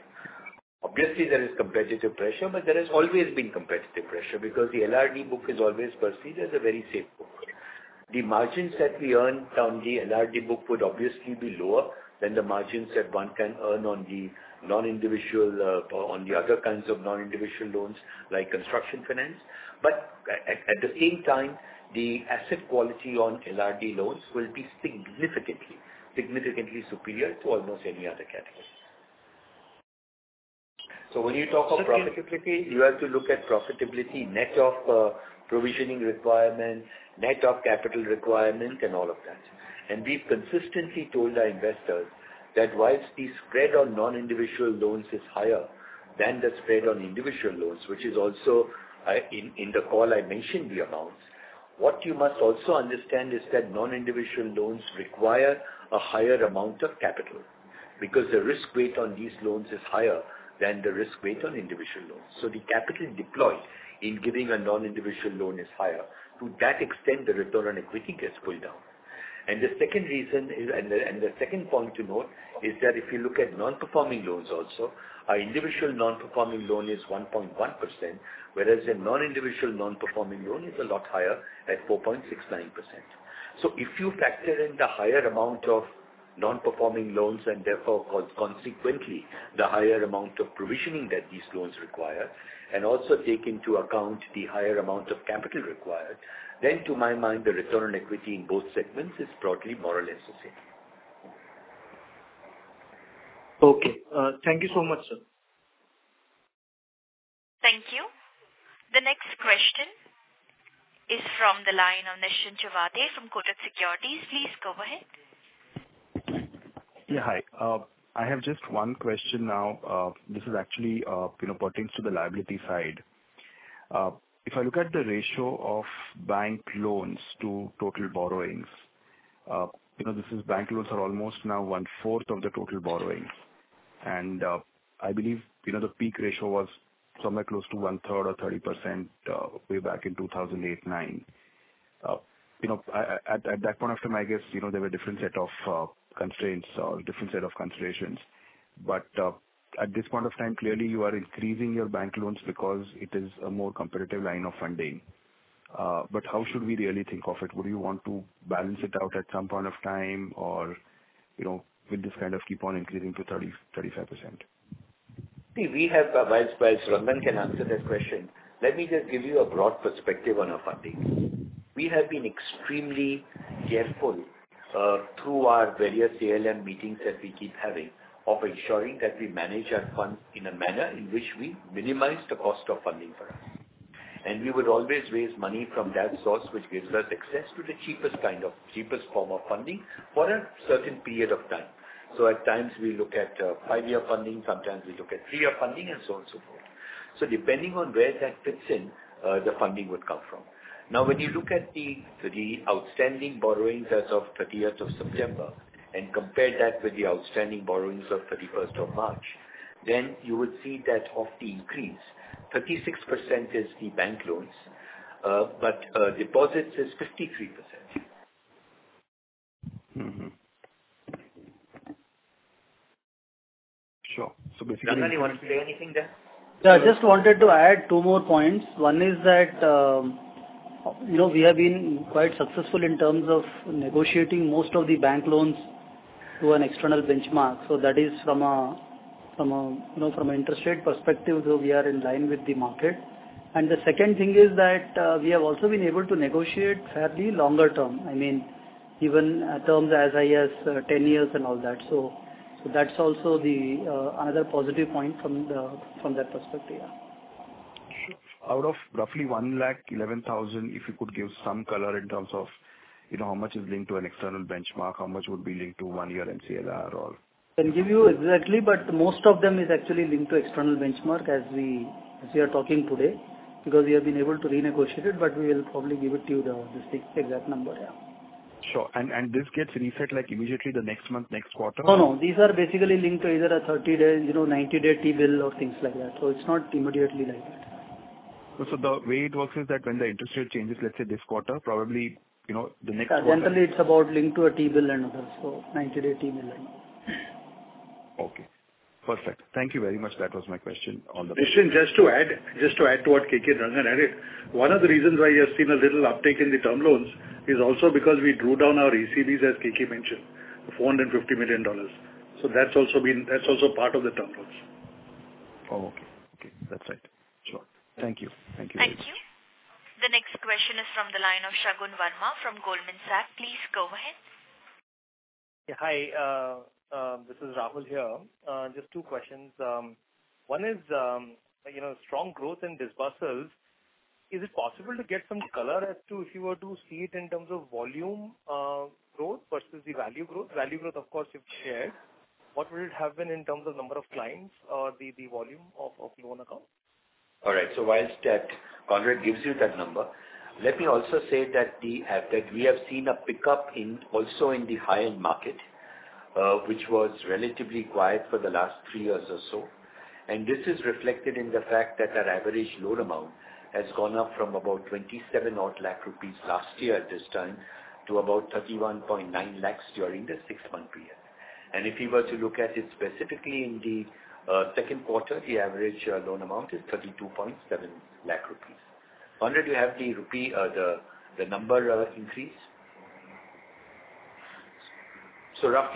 Obviously, there is competitive pressure, but there has always been competitive pressure because the LRD book is always perceived as a very safe book. The margins that we earn from the LRD book would obviously be lower than the margins that one can earn on the non-individual on the other kinds of non-individual loans like construction finance. At the same time, the asset quality on LRD loans will be significantly superior to almost any other category. When you talk of profitability, you have to look at profitability net of provisioning requirements, net of capital requirement and all of that. We've consistently told our investors that whilst the spread on non-individual loans is higher than the spread on individual loans, which is also in the call I mentioned the amounts. What you must also understand is that non-individual loans require a higher amount of capital because the risk weight on these loans is higher than the risk weight on individual loans. The capital deployed in giving a non-individual loan is higher. To that extent, the return on equity gets pulled down. The second point to note is that if you look at non-performing loans also, our individual non-performing loan is 1.1%, whereas a non-individual non-performing loan is a lot higher at 4.69%. If you factor in the higher amount of non-performing loans and therefore consequently the higher amount of provisioning that these loans require, and also take into account the higher amount of capital required, then to my mind the return on equity in both segments is broadly more or less the same. Okay. Thank you so much, sir. Thank you. The next question is from the line of Nischint Chawathe from Kotak Securities. Please go ahead. Yeah, hi. I have just one question now. This is actually, you know, pertains to the liability side. If I look at the ratio of bank loans to total borrowings, you know, this is bank loans are almost now one-fourth of the total borrowings. I believe, you know, the peak ratio was somewhere close to one-third or 30%, way back in 2008-09. You know, at that point of time, I guess, you know, there were different set of constraints or different set of considerations. At this point of time, clearly you are increasing your bank loans because it is a more competitive line of funding. But how should we really think of it? Would you want to balance it out at some point of time? You know, will this kind of keep on increasing to 30%-35%? While Rangan can answer that question, let me just give you a broad perspective on our funding. We have been extremely careful through our various ALM meetings that we keep having of ensuring that we manage our funds in a manner in which we minimize the cost of funding for us. We would always raise money from that source which gives us access to the cheapest form of funding for a certain period of time. At times we look at five-year funding, sometimes we look at three-year funding and so on and so forth. Depending on where that fits in, the funding would come from. Now, when you look at the outstanding borrowings as of 30th of September and compare that with the outstanding borrowings of 31st of March, then you would see that of the increase, 36% is the bank loans, but deposits is 53%. Sure. Basically. Rangan, you want to say anything there? Yeah, I just wanted to add two more points. One is that, you know, we have been quite successful in terms of negotiating most of the bank loans to an external benchmark. That is from a, you know, from an interest rate perspective, we are in line with the market. The second thing is that, we have also been able to negotiate fairly longer term. I mean, even terms as high as 10 years and all that. That's also another positive point from that perspective, yeah. Out of roughly 1 lakh 11,000, if you could give some color in terms of, you know, how much is linked to an external benchmark? How much would be linked to one year MCLR or? Can give you exactly, but most of them is actually linked to external benchmark as we are talking today because we have been able to renegotiate it, but we will probably give it to you the exact number, yeah. Sure. This gets reset like immediately the next month, next quarter? No, no. These are basically linked to either a 30-day, you know, 90-day T-bill or things like that. It's not immediately like that. The way it works is that when the interest rate changes, let's say this quarter, probably, you know, the next quarter. Generally, it's about linked to a T-bill and others, so 90-day T-bill. Okay, perfect. Thank you very much. That was my question on the. Nischint, just to add to what Keki and Rangan added. One of the reasons why you have seen a little uptick in the term loans is also because we drew down our ECBs, as KK mentioned, of $450 million. That's also been part of the term loans. Oh, okay. That's right. Sure. Thank you. Thank you very much. Thank you. The next question is from the line of Rahul Jain from Goldman Sachs. Please go ahead. Yeah, hi. This is Rahul here. Just two questions. One is, you know, strong growth in disbursements. Is it possible to get some color as to if you were to see it in terms of volume, growth versus the value growth? Value growth, of course, you've shared. What would it have been in terms of number of clients or the volume of loan accounts? All right. While Conrad gives you that number, let me also say that we have seen a pickup also in the high-end market, which was relatively quiet for the last three years or so. This is reflected in the fact that our average loan amount has gone up from about 27-odd lakh rupees last year at this time to about 31.9 lakh during the six-month period. If you were to look at it specifically in the second quarter, the average loan amount is 32.7 lakh rupees. Conrad, do you have the rupee number increase? Let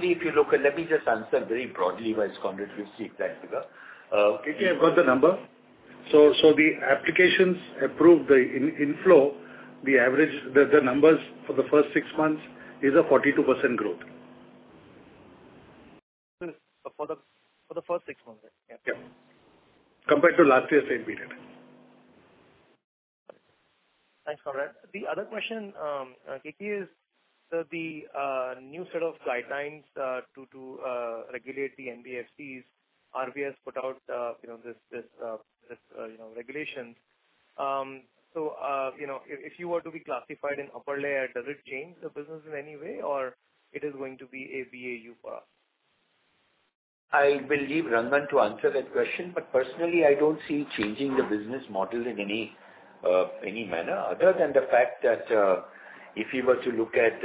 me just answer very broadly while Conrad retrieves that figure. KK, I've got the number. The applications approved, the inflow, the average, the numbers for the first six months is a 42% growth. For the first six months, yeah. Yeah. Compared to last year's same period. Thanks, Conrad. The other question, KK, is the new set of guidelines to regulate the NBFCs RBI has put out, you know, these regulations. You know, if you were to be classified in upper layer, does it change the business in any way or it is going to be a BAU for us? I will leave Rangan to answer that question. Personally, I don't see it changing the business model in any manner other than the fact that if you were to look at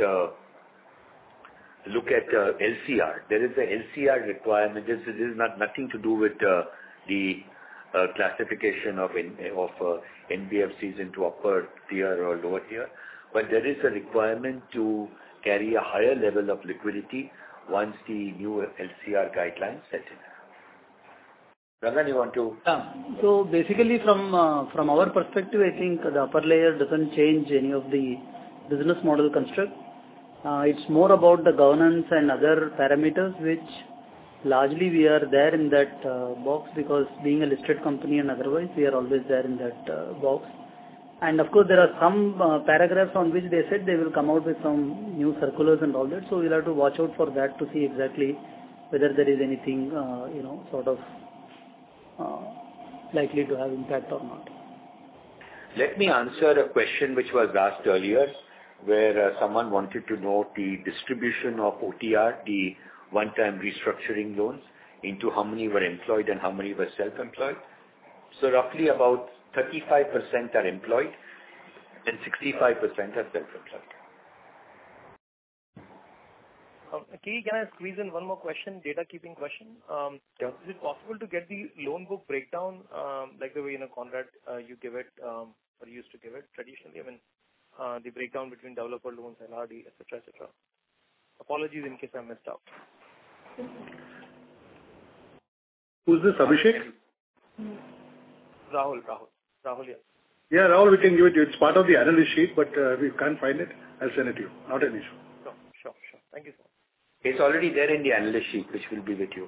LCR. There is a LCR requirement. This is not nothing to do with the classification of NBFCs into upper tier or lower tier. There is a requirement to carry a higher level of liquidity once the new LCR guidelines set in. Rangan, you want to? Yeah. Basically from our perspective, I think the upper layer doesn't change any of the business model construct. It's more about the governance and other parameters which largely we are there in that box because being a listed company and otherwise we are always there in that box. Of course, there are some paragraphs on which they said they will come out with some new circulars and all that. We'll have to watch out for that to see exactly whether there is anything you know sort of likely to have impact or not. Let me answer a question which was asked earlier, where someone wanted to know the distribution of OTR, the one-time restructuring loans, into how many were employed and how many were self-employed. Roughly about 35% are employed and 65% are self-employed. Keki, can I squeeze in one more question, housekeeping question? Yeah. Is it possible to get the loan book breakdown, like the way, you know, Conrad, you give it, or used to give it traditionally? I mean, the breakdown between developer loans and RD, et cetera, et cetera. Apologies in case I missed out. Mm-hmm. Who's this? Abhishek? Rahul here. Yeah, Rahul, we can give it to you. It's part of the analyst sheet, but if you can't find it, I'll send it to you. Not an issue. Sure. Thank you so much. It's already there in the analyst sheet, which will be with you.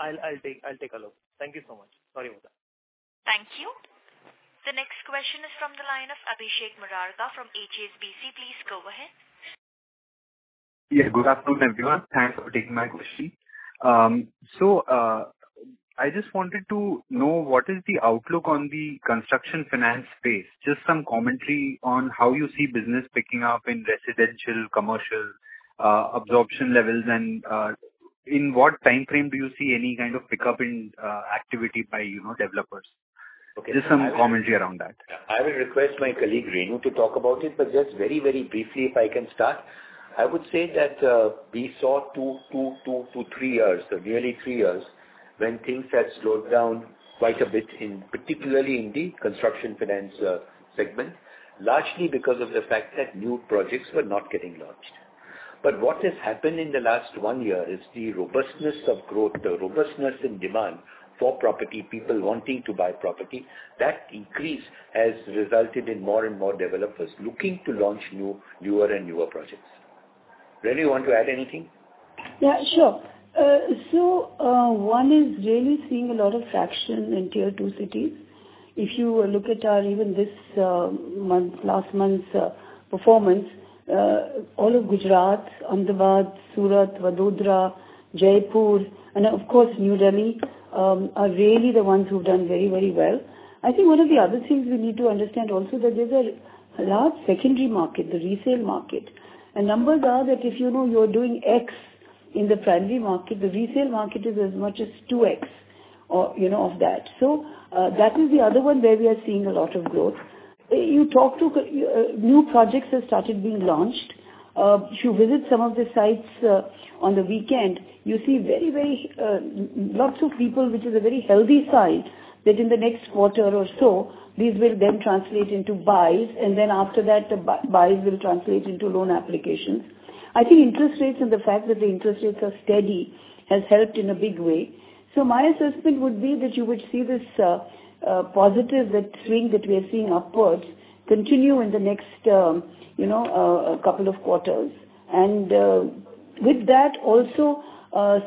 I'll take a look. Thank you so much. Sorry about that. Thank you. The next question is from the line of Abhishek Murarka from HSBC. Please go ahead. Yeah. Good afternoon, everyone. Thanks for taking my question. So, I just wanted to know what is the outlook on the construction finance space. Just some commentary on how you see business picking up in residential, commercial, absorption levels and, in what timeframe do you see any kind of pickup in, activity by, you know, developers? Okay. Just some commentary around that. Yeah. I will request my colleague Renu to talk about it, but just very, very briefly if I can start. I would say that we saw two to three years, nearly three years, when things had slowed down quite a bit in, particularly in the construction finance segment, largely because of the fact that new projects were not getting launched. What has happened in the last one year is the robustness of growth, the robustness in demand for property, people wanting to buy property, that increase has resulted in more and more developers looking to launch new, newer and newer projects. Renu, you want to add anything? Yeah, sure. One is really seeing a lot of traction in tier two cities. If you look at our even this month, last month's performance, all of Gujarat, Ahmedabad, Surat, Vadodara, Jaipur and of course, New Delhi are really the ones who've done very, very well. I think one of the other things we need to understand also that there's a large secondary market, the resale market. Numbers are that if you know you're doing x in the primary market, the resale market is as much as 2x, you know, of that. That is the other one where we are seeing a lot of growth. You talk to... New projects have started being launched. If you visit some of the sites on the weekend, you see very lots of people, which is a very healthy sign that in the next quarter or so these will then translate into buys, and then after that, the buys will translate into loan applications. I think interest rates and the fact that the interest rates are steady has helped in a big way. My assessment would be that you would see this positive that trend that we are seeing upwards continue in the next you know couple of quarters. With that also,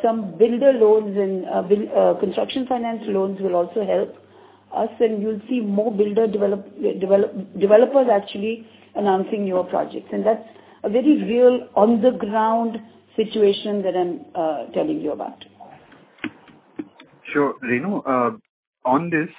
some builder loans and construction finance loans will also help us. You'll see more builder developers actually announcing newer projects. That's a very real on-the-ground situation that I'm telling you about. Sure. Renu, on this,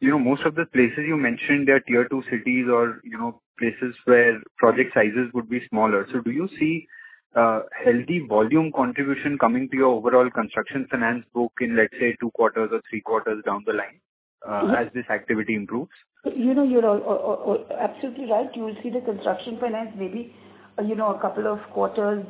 you know, most of the places you mentioned are tier II cities or, you know, places where project sizes would be smaller. Do you see healthy volume contribution coming to your overall construction finance book in, let's say, two quarters or three quarters down the line, as this activity improves? You know, you're absolutely right. You will see the construction finance maybe, you know, a couple of quarters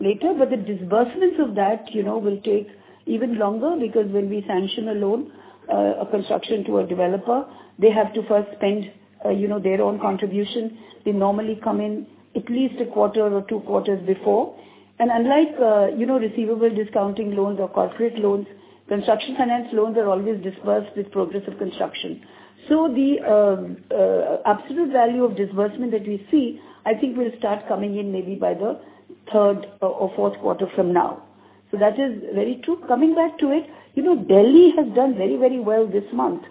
later. But the disbursements of that, you know, will take even longer because when we sanction a loan, a construction loan to a developer, they have to first spend, you know, their own contribution. They normally come in at least a quarter or two quarters before. Unlike, you know, receivable discounting loans or corporate loans, construction finance loans are always disbursed with progress of construction. The absolute value of disbursement that we see, I think will start coming in maybe by the third or fourth quarter from now. That is very true. Coming back to it, you know, Delhi has done very, very well this month.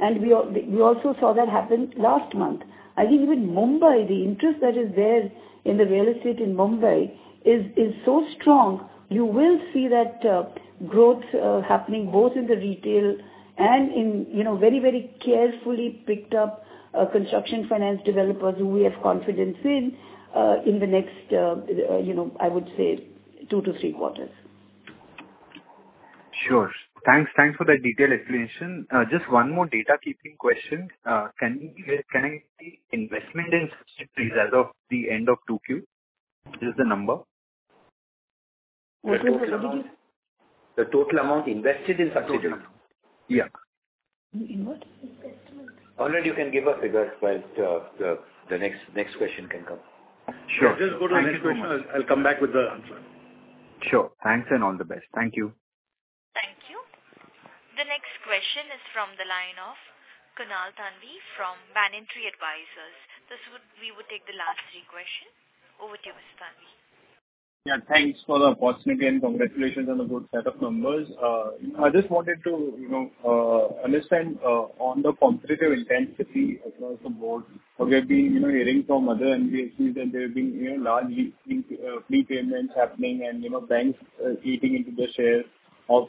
We also saw that happen last month. I think even in Mumbai, the interest that is there in the real estate in Mumbai is so strong you will see that growth happening both in the retail and in, you know, very, very carefully picked up construction finance developers who we have confidence in the next, you know, I would say two-three quarters. Sure. Thanks. Thanks for that detailed explanation. Just one more housekeeping question. Can I see investment in subsidiaries as of the end of 2Q? What is the number? What was the question? The total amount invested in subsidiaries. Total amount. Yeah. In what? Investment. Renu, you can give a figure while the next question can come. Sure. Yeah. Just go to the next question. I'll come back with the answer. Sure. Thanks, and all the best. Thank you. Thank you. The next question is from the line of Kunal Thanvi from Banyan Tree Advisors. We would take the last three questions. Over to you, Mr. Thanvi. Yeah, thanks for the opportunity and congratulations on the good set of numbers. I just wanted to, you know, understand on the competitive intensity across the board. We have been, you know, hearing from other NBFCs that there have been, you know, large prepayments happening and, you know, banks eating into the share of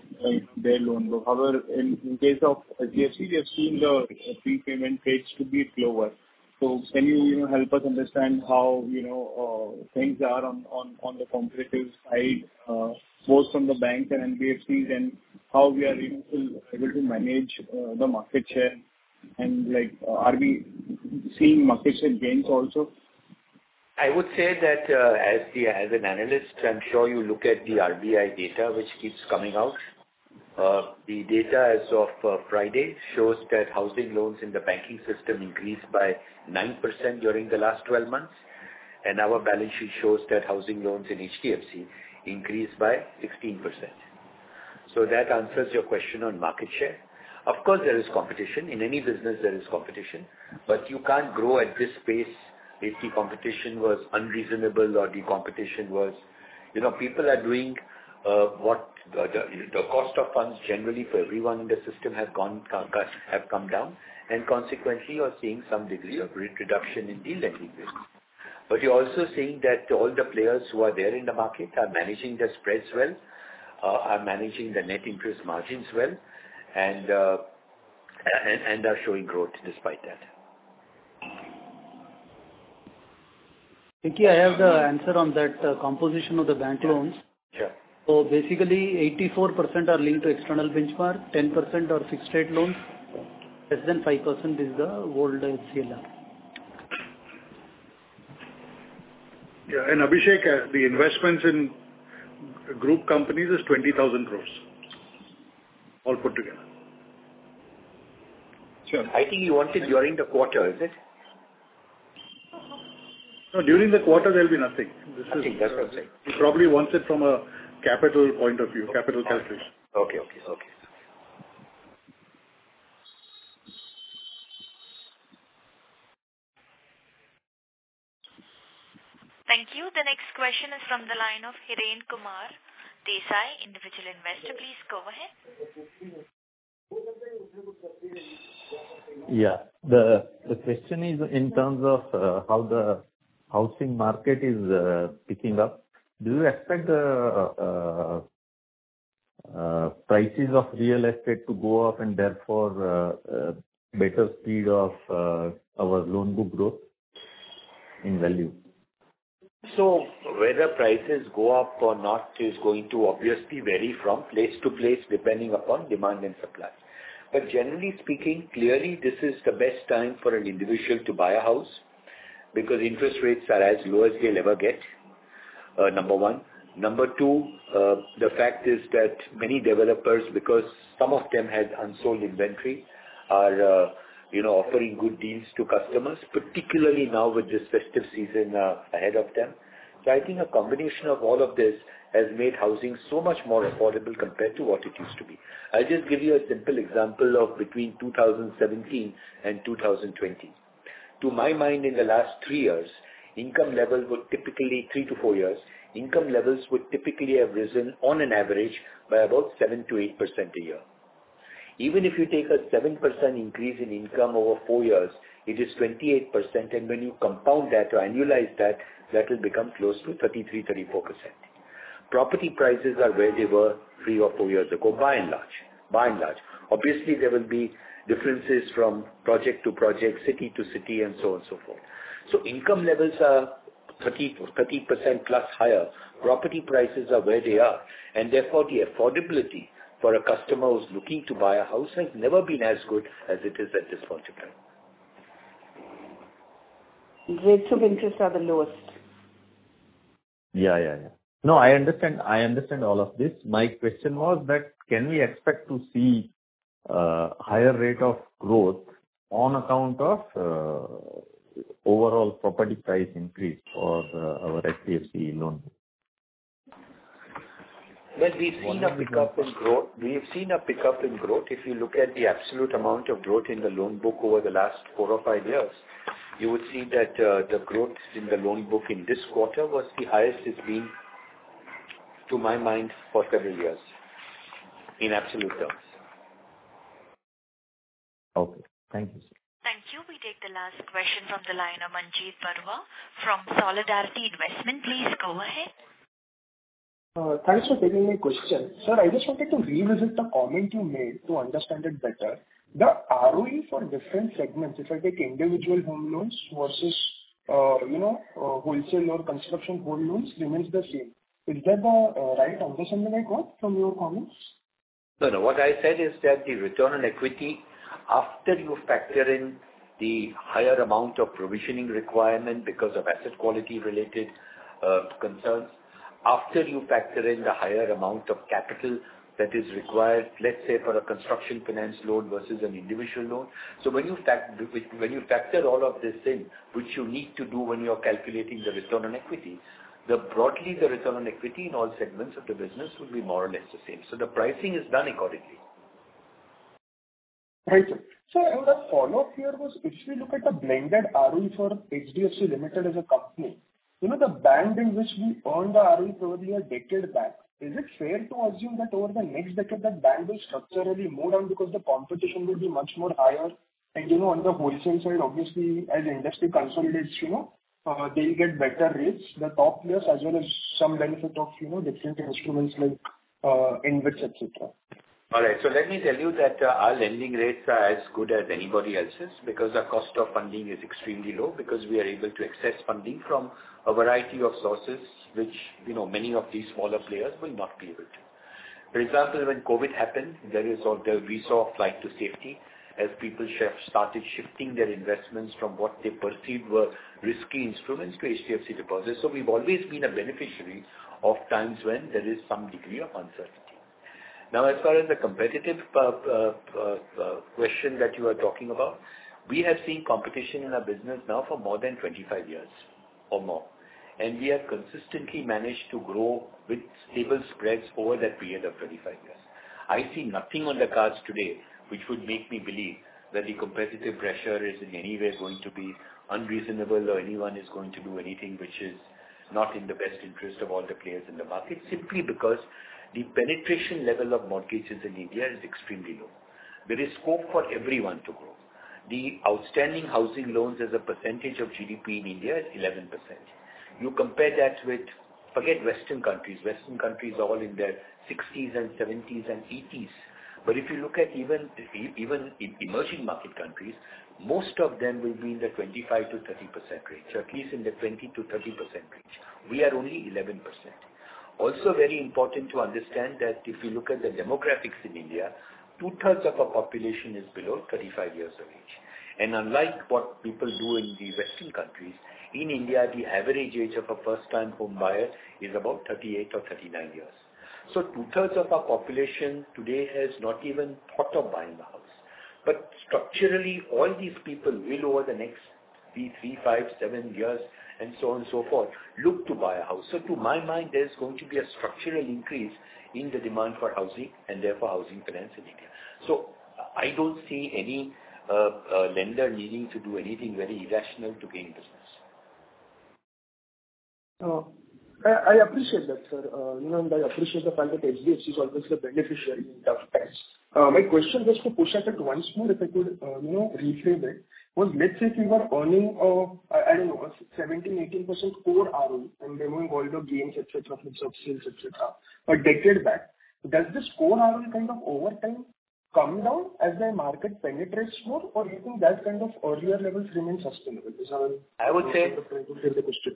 their loan book. However, in case of HDFC, we have seen the prepayment rates to be lower. Can you know, help us understand how, you know, things are on the competitive side, both from the banks and NBFCs and how we are able to manage the market share and, like, are we seeing market share gains also? I would say that as an analyst, I'm sure you look at the RBI data which keeps coming out. The data as of Friday shows that housing loans in the banking system increased by 9% during the last 12 months, and our balance sheet shows that housing loans in HDFC increased by 16%. That answers your question on market share. Of course, there is competition. In any business there is competition. You can't grow at this pace if the competition was unreasonable or the competition was. You know, people are doing what the cost of funds generally for everyone in the system has gone, costs have come down, and consequently you're seeing some degree of rate reduction in home lending business. You're also seeing that all the players who are there in the market are managing their spreads well, are managing their net interest margins well and are showing growth despite that. Keki, I have the answer on that, composition of the bank loans. Sure. Basically, 84% are linked to external benchmark, 10% are fixed rate loans, less than 5% is the old MCLR. Abhishek, the investments in group companies is 20,000 crore all put together. Sure. I think he wants it during the quarter, is it? No, during the quarter there'll be nothing. I think that's nothing. He probably wants it from a capital point of view, capital calculation. Okay. Thank you. The next question is from the line of Hiren Kumar Desai, Individual Investor. Please go ahead. Yeah. The question is in terms of how the housing market is picking up. Do you expect prices of real estate to go up and therefore better speed of our loan book growth in value? Whether prices go up or not is going to obviously vary from place to place depending upon demand and supply. Generally speaking, clearly this is the best time for an individual to buy a house because interest rates are as low as they'll ever get, number one. Number two, the fact is that many developers because some of them had unsold inventory are, you know, offering good deals to customers, particularly now with this festive season, ahead of them. I think a combination of all of this has made housing so much more affordable compared to what it used to be. I'll just give you a simple example of between 2017 and 2020. To my mind, in the last three years, income levels were typically three to four years. Income levels would typically have risen on an average by about 7%-8% a year. Even if you take a 7% increase in income over four years, it is 28%, and when you compound that or annualize that will become close to 33%-34%. Property prices are where they were three or four years ago, by and large. Obviously, there will be differences from project to project, city to city and so on and so forth. Income levels are 30% plus higher. Property prices are where they are and therefore the affordability for a customer who's looking to buy a house has never been as good as it is at this point in time. Rates of interest are the lowest. Yeah. No, I understand all of this. My question was that can we expect to see higher rate of growth on account of overall property price increase for our HDFC loan? Well, we've seen a pickup in growth. If you look at the absolute amount of growth in the loan book over the last four or five years, you would see that the growth in the loan book in this quarter was the highest it's been, to my mind, for several years in absolute terms. Okay. Thank you, sir. Thank you. We take the last question from the line of Manjeet Buaria from Solidarity Investment. Please go ahead. Thanks for taking my question. Sir, I just wanted to revisit the comment you made to understand it better. The ROE for different segments, if I take individual home loans versus, you know, wholesale or construction home loans remains the same. Is that the right understanding I got from your comments? No, no. What I said is that the return on equity after you factor in the higher amount of provisioning requirement because of asset quality-related concerns, after you factor in the higher amount of capital that is required, let's say, for a construction finance loan versus an individual loan. When you factor all of this in, which you need to do when you're calculating the return on equity, broadly the return on equity in all segments of the business will be more or less the same. The pricing is done accordingly. Right. I would have follow-up here was if you look at the blended ROE for HDFC Limited as a company, you know, the band in which we earned the ROE probably a decade back, is it fair to assume that over the next decade that band will structurally move down because the competition will be much higher and, you know, on the wholesale side, obviously, as industry consolidates, you know, they'll get better rates, the top players as well as some benefit of, you know, different instruments like InvITs, etcetera. All right, let me tell you that our lending rates are as good as anybody else's because our cost of funding is extremely low because we are able to access funding from a variety of sources which, you know, many of these smaller players will not be able to. For example, when COVID happened, there was a flight to safety as people started shifting their investments from what they perceived were risky instruments to HDFC deposits. We've always been a beneficiary of times when there is some degree of uncertainty. Now, as far as the competition question that you are talking about, we have seen competition in our business now for more than 25 years or more, and we have consistently managed to grow with stable spreads over that period of 25 years. I see nothing on the cards today which would make me believe that the competitive pressure is in any way going to be unreasonable or anyone is going to do anything which is not in the best interest of all the players in the market, simply because the penetration level of mortgages in India is extremely low. There is scope for everyone to grow. The outstanding housing loans as a percentage of GDP in India is 11%. You compare that with, forget Western countries, Western countries are all in their 60s and 70s and 80s. But if you look at even emerging market countries, most of them will be in the 25%-30% range, or at least in the 20%-30% range. We are only 11%. Very important to understand that if you look at the demographics in India, two-thirds of our population is below 35 years of age. Unlike what people do in the Western countries, in India, the average age of a first-time homebuyer is about 38 or 39 years. Two-thirds of our population today has not even thought of buying a house. Structurally, all these people will over the next be three, five, seven years and so on and so forth, look to buy a house. To my mind, there's going to be a structural increase in the demand for housing and therefore housing finance in India. I don't see any lender needing to do anything very irrational to gain business. I appreciate that, sir. You know, I appreciate the fact that HDFC is obviously a beneficiary in tough times. My question was to push at it once more, if I could, you know, rephrase it, let's say if you were earning a, I don't know, 17%-18% core ROE and removing all the gains, etcetera, from subsidies, etcetera, a decade back. Does this core ROE kind of over time come down as the market penetrates more or you think that kind of earlier levels remain sustainable? Is that? I would say. Trying to phrase the question.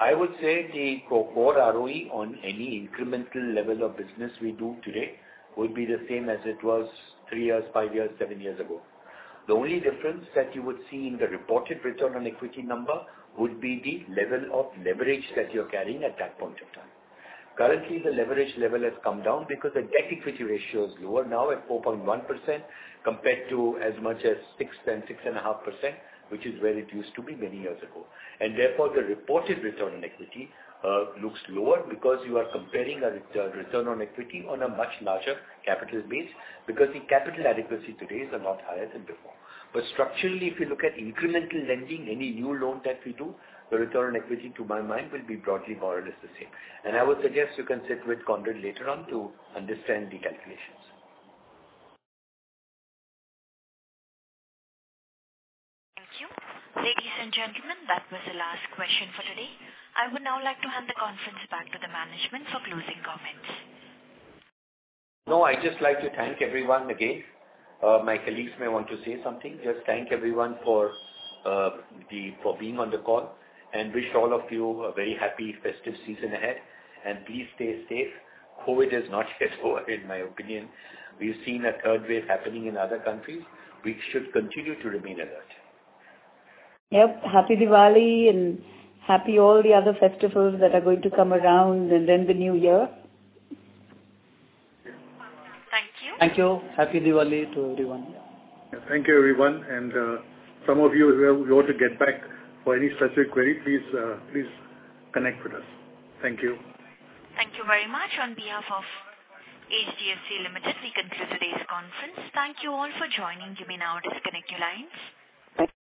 I would say the core ROE on any incremental level of business we do today will be the same as it was three years, five years, seven years ago. The only difference that you would see in the reported return on equity number would be the level of leverage that you're carrying at that point of time. Currently, the leverage level has come down because the debt equity ratio is lower now at 4.1% compared to as much as 6% and 6.5%, which is where it used to be many years ago. Therefore, the reported return on equity looks lower because you are comparing a return on equity on a much larger capital base because the capital adequacy today is a lot higher than before. Structurally, if you look at incremental lending, any new loan that we do, the return on equity, to my mind, will be broadly more or less the same. I would suggest you can sit with Conrad later on to understand the calculations. Thank you. Ladies and gentlemen, that was the last question for today. I would now like to hand the conference back to the management for closing comments. No, I'd just like to thank everyone again. My colleagues may want to say something. Just thank everyone for being on the call and wish all of you a very happy festive season ahead. Please stay safe. COVID is not yet over, in my opinion. We've seen a third wave happening in other countries. We should continue to remain alert. Yep. Happy Diwali and happy all the other festivals that are going to come around and then the new year. Thank you. Thank you. Happy Diwali to everyone. Yeah. Thank you, everyone. You ought to get back for any specific query, please connect with us. Thank you. Thank you very much. On behalf of HDFC Limited, we conclude today's conference. Thank you all for joining. You may now disconnect your lines. Thank you.